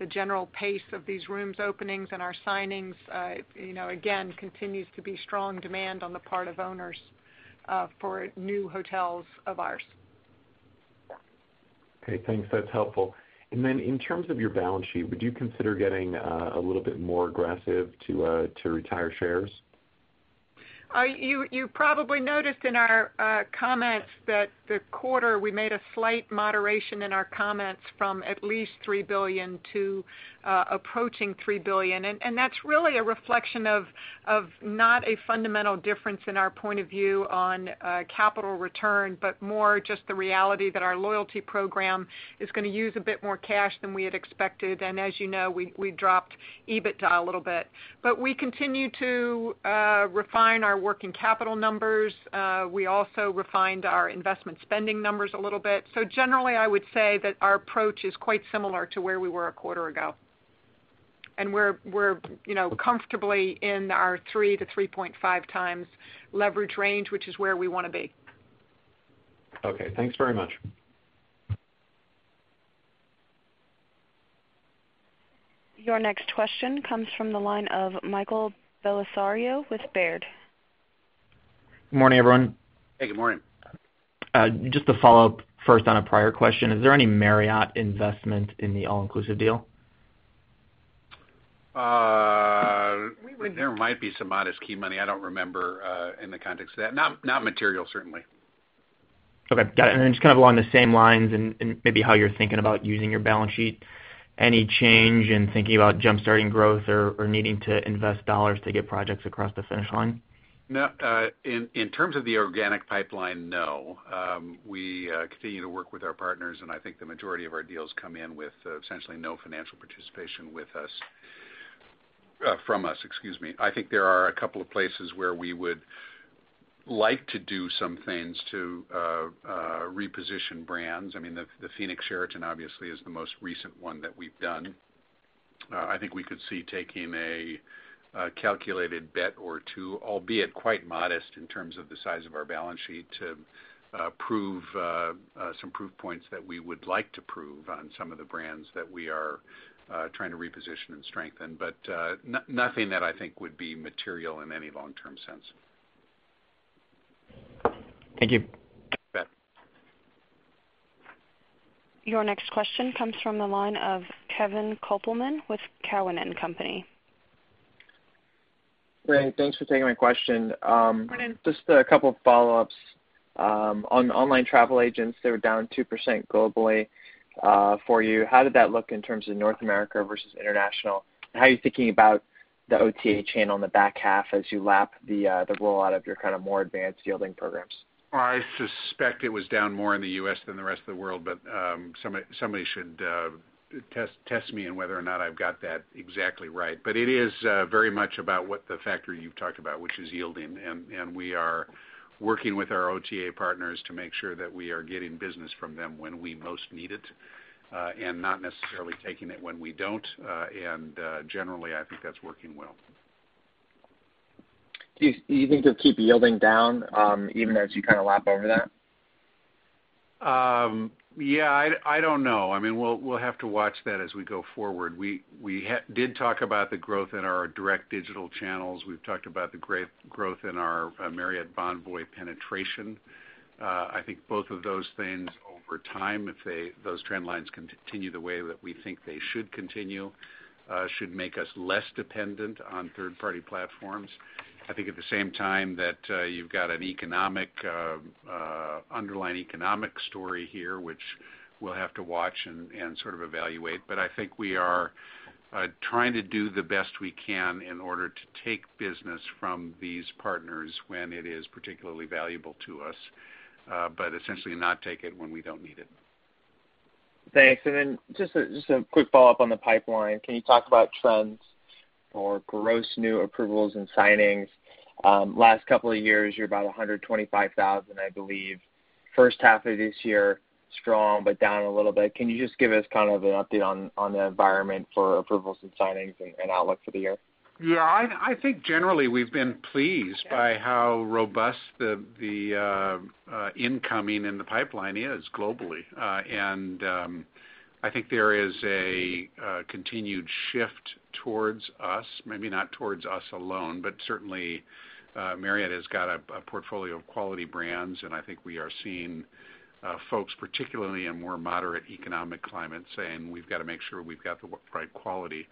general pace of these rooms openings and our signings, again, continues to be strong demand on the part of owners for new hotels of ours. Okay, thanks. That's helpful. Then in terms of your balance sheet, would you consider getting a little bit more aggressive to retire shares? You probably noticed in our comments that the quarter we made a slight moderation in our comments from at least $3 billion to approaching $3 billion. That's really a reflection of not a fundamental difference in our point of view on capital return, but more just the reality that our loyalty program is going to use a bit more cash than we had expected, and as you know, we dropped EBITDA a little bit. We continue to refine our working capital numbers. We also refined our investment spending numbers a little bit. Generally, I would say that our approach is quite similar to where we were a quarter ago. We're comfortably in our 3x-3.5x leverage range, which is where we want to be. Okay. Thanks very much. Your next question comes from the line of Michael Bellisario with Baird. Good morning, everyone. Hey, good morning. Just to follow up first on a prior question, is there any Marriott investment in the all-inclusive deal? We would- There might be some modest key money. I don't remember in the context of that. Not material, certainly. Okay, got it. Just along the same lines and maybe how you're thinking about using your balance sheet, any change in thinking about jump-starting growth or needing to invest dollars to get projects across the finish line? No. In terms of the organic pipeline, no. We continue to work with our partners. I think the majority of our deals come in with essentially no financial participation from us, excuse me. I think there are a couple of places where we would like to do some things to reposition brands. The Phoenix Sheraton, obviously, is the most recent one that we've done. I think we could see taking a calculated bet or two, albeit quite modest in terms of the size of our balance sheet, to prove some proof points that we would like to prove on some of the brands that we are trying to reposition and strengthen. Nothing that I think would be material in any long-term sense. Thank you. You bet. Your next question comes from the line of Kevin Kopelman with Cowen and Company. Great. Thanks for taking my question. Good morning. Just a couple of follow-ups. On online travel agents, they were down 2% globally for you. How did that look in terms of North America versus international? How are you thinking about the OTA channel in the back half as you lap the roll-out of your more advanced yielding programs? I suspect it was down more in the U.S. than the rest of the world, somebody should test me on whether or not I've got that exactly right. It is very much about what the factor you've talked about, which is yielding, and we are working with our OTA partners to make sure that we are getting business from them when we most need it, and not necessarily taking it when we don't. Generally, I think that's working well. Do you think you'll keep yielding down, even as you lap over that? Yeah, I don't know. We'll have to watch that as we go forward. We did talk about the growth in our direct digital channels. We've talked about the great growth in our Marriott Bonvoy penetration. I think both of those things over time, if those trend lines continue the way that we think they should continue, should make us less dependent on third-party platforms. I think at the same time that you've got an underlying economic story here, which we'll have to watch and sort of evaluate. I think we are trying to do the best we can in order to take business from these partners when it is particularly valuable to us. Essentially not take it when we don't need it. Thanks. Then just a quick follow-up on the pipeline. Can you talk about trends or gross new approvals and signings? Last couple of years, you're about 125,000, I believe. First half of this year, strong, but down a little bit. Can you just give us an update on the environment for approvals and signings and outlook for the year? Yeah, I think generally, we've been pleased by how robust the incoming in the pipeline is globally. I think there is a continued shift towards us, maybe not towards us alone, but certainly Marriott has got a portfolio of quality brands, and I think we are seeing folks, particularly in more moderate economic climates, saying, "We've got to make sure we've got the right quality."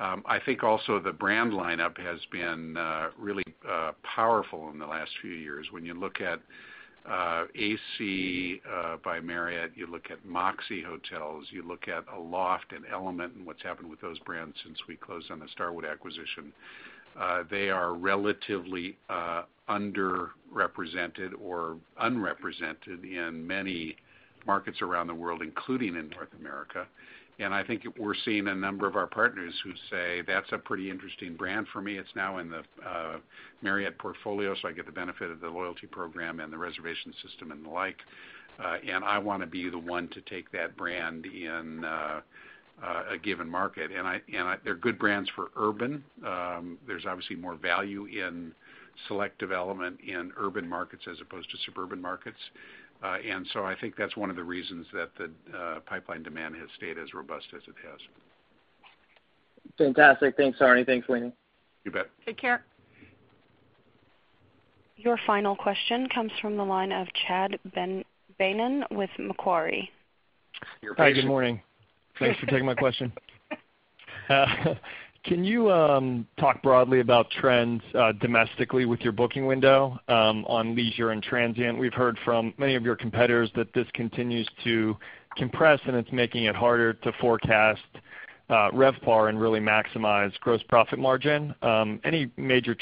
I think also the brand lineup has been really powerful in the last few years. When you look at AC by Marriott, you look at Moxy Hotels, you look at Aloft and Element and what's happened with those brands since we closed on the Starwood acquisition. They are relatively underrepresented or unrepresented in many markets around the world, including in North America. I think we're seeing a number of our partners who say, "That's a pretty interesting brand for me. It's now in the Marriott portfolio. I get the benefit of the loyalty program and the reservation system and the like. I want to be the one to take that brand in a given market. They're good brands for urban. There's obviously more value in select development in urban markets as opposed to suburban markets. I think that's one of the reasons that the pipeline demand has stayed as robust as it has. Fantastic. Thanks, Arne. Thanks, Leeny. You bet. Take care. Your final question comes from the line of Chad Beynon with Macquarie. Your patient- Hi, good morning. Thanks for taking my question. Can you talk broadly about trends domestically with your booking window on leisure and transient? We've heard from many of your competitors that this continues to compress, it's making it harder to forecast RevPAR and really maximize gross profit margin. Any major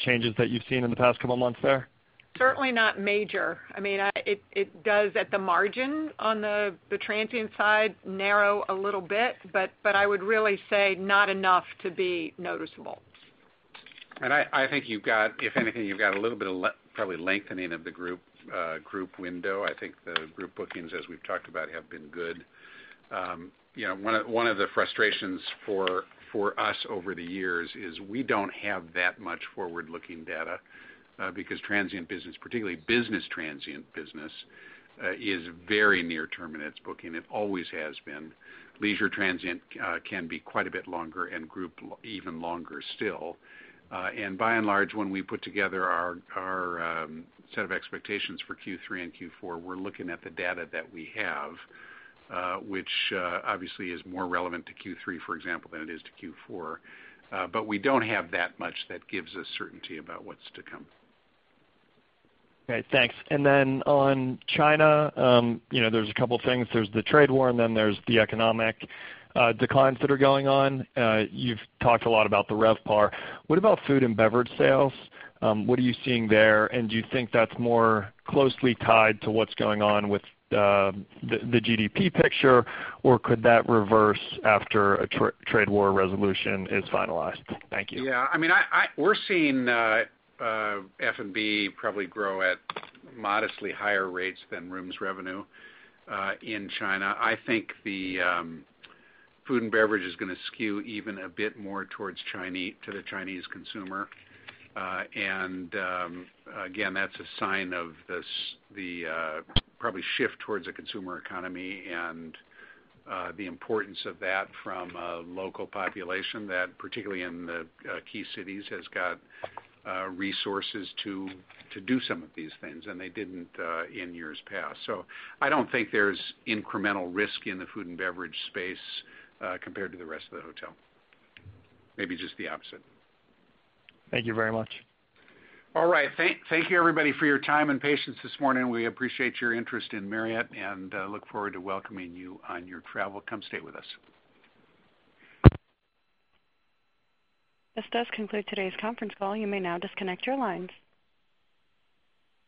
changes that you've seen in the past couple of months there? Certainly not major. It does at the margin on the transient side narrow a little bit, but I would really say not enough to be noticeable. I think, if anything, you've got a little bit of probably lengthening of the group window. I think the group bookings, as we've talked about, have been good. One of the frustrations for us over the years is we don't have that much forward-looking data because transient business, particularly business transient business, is very near term in its booking. It always has been. Leisure transient can be quite a bit longer, and group even longer still. By and large, when we put together our set of expectations for Q3 and Q4, we're looking at the data that we have, which obviously is more relevant to Q3, for example, than it is to Q4. We don't have that much that gives us certainty about what's to come. Great, thanks. Then on China, there's a couple things. There's the trade war, and then there's the economic declines that are going on. You've talked a lot about the RevPAR. What about food and beverage sales? What are you seeing there? Do you think that's more closely tied to what's going on with the GDP picture, or could that reverse after a trade war resolution is finalized? Thank you. Yeah. We're seeing F&B probably grow at modestly higher rates than rooms revenue in China. I think the food and beverage is going to skew even a bit more to the Chinese consumer. Again, that's a sign of the probably shift towards a consumer economy and the importance of that from a local population that, particularly in the key cities, has got resources to do some of these things, and they didn't in years past. I don't think there's incremental risk in the food and beverage space compared to the rest of the hotel. Maybe just the opposite. Thank you very much. All right. Thank you, everybody, for your time and patience this morning. We appreciate your interest in Marriott and look forward to welcoming you on your travel. Come stay with us. This does conclude today's conference call. You may now disconnect your lines.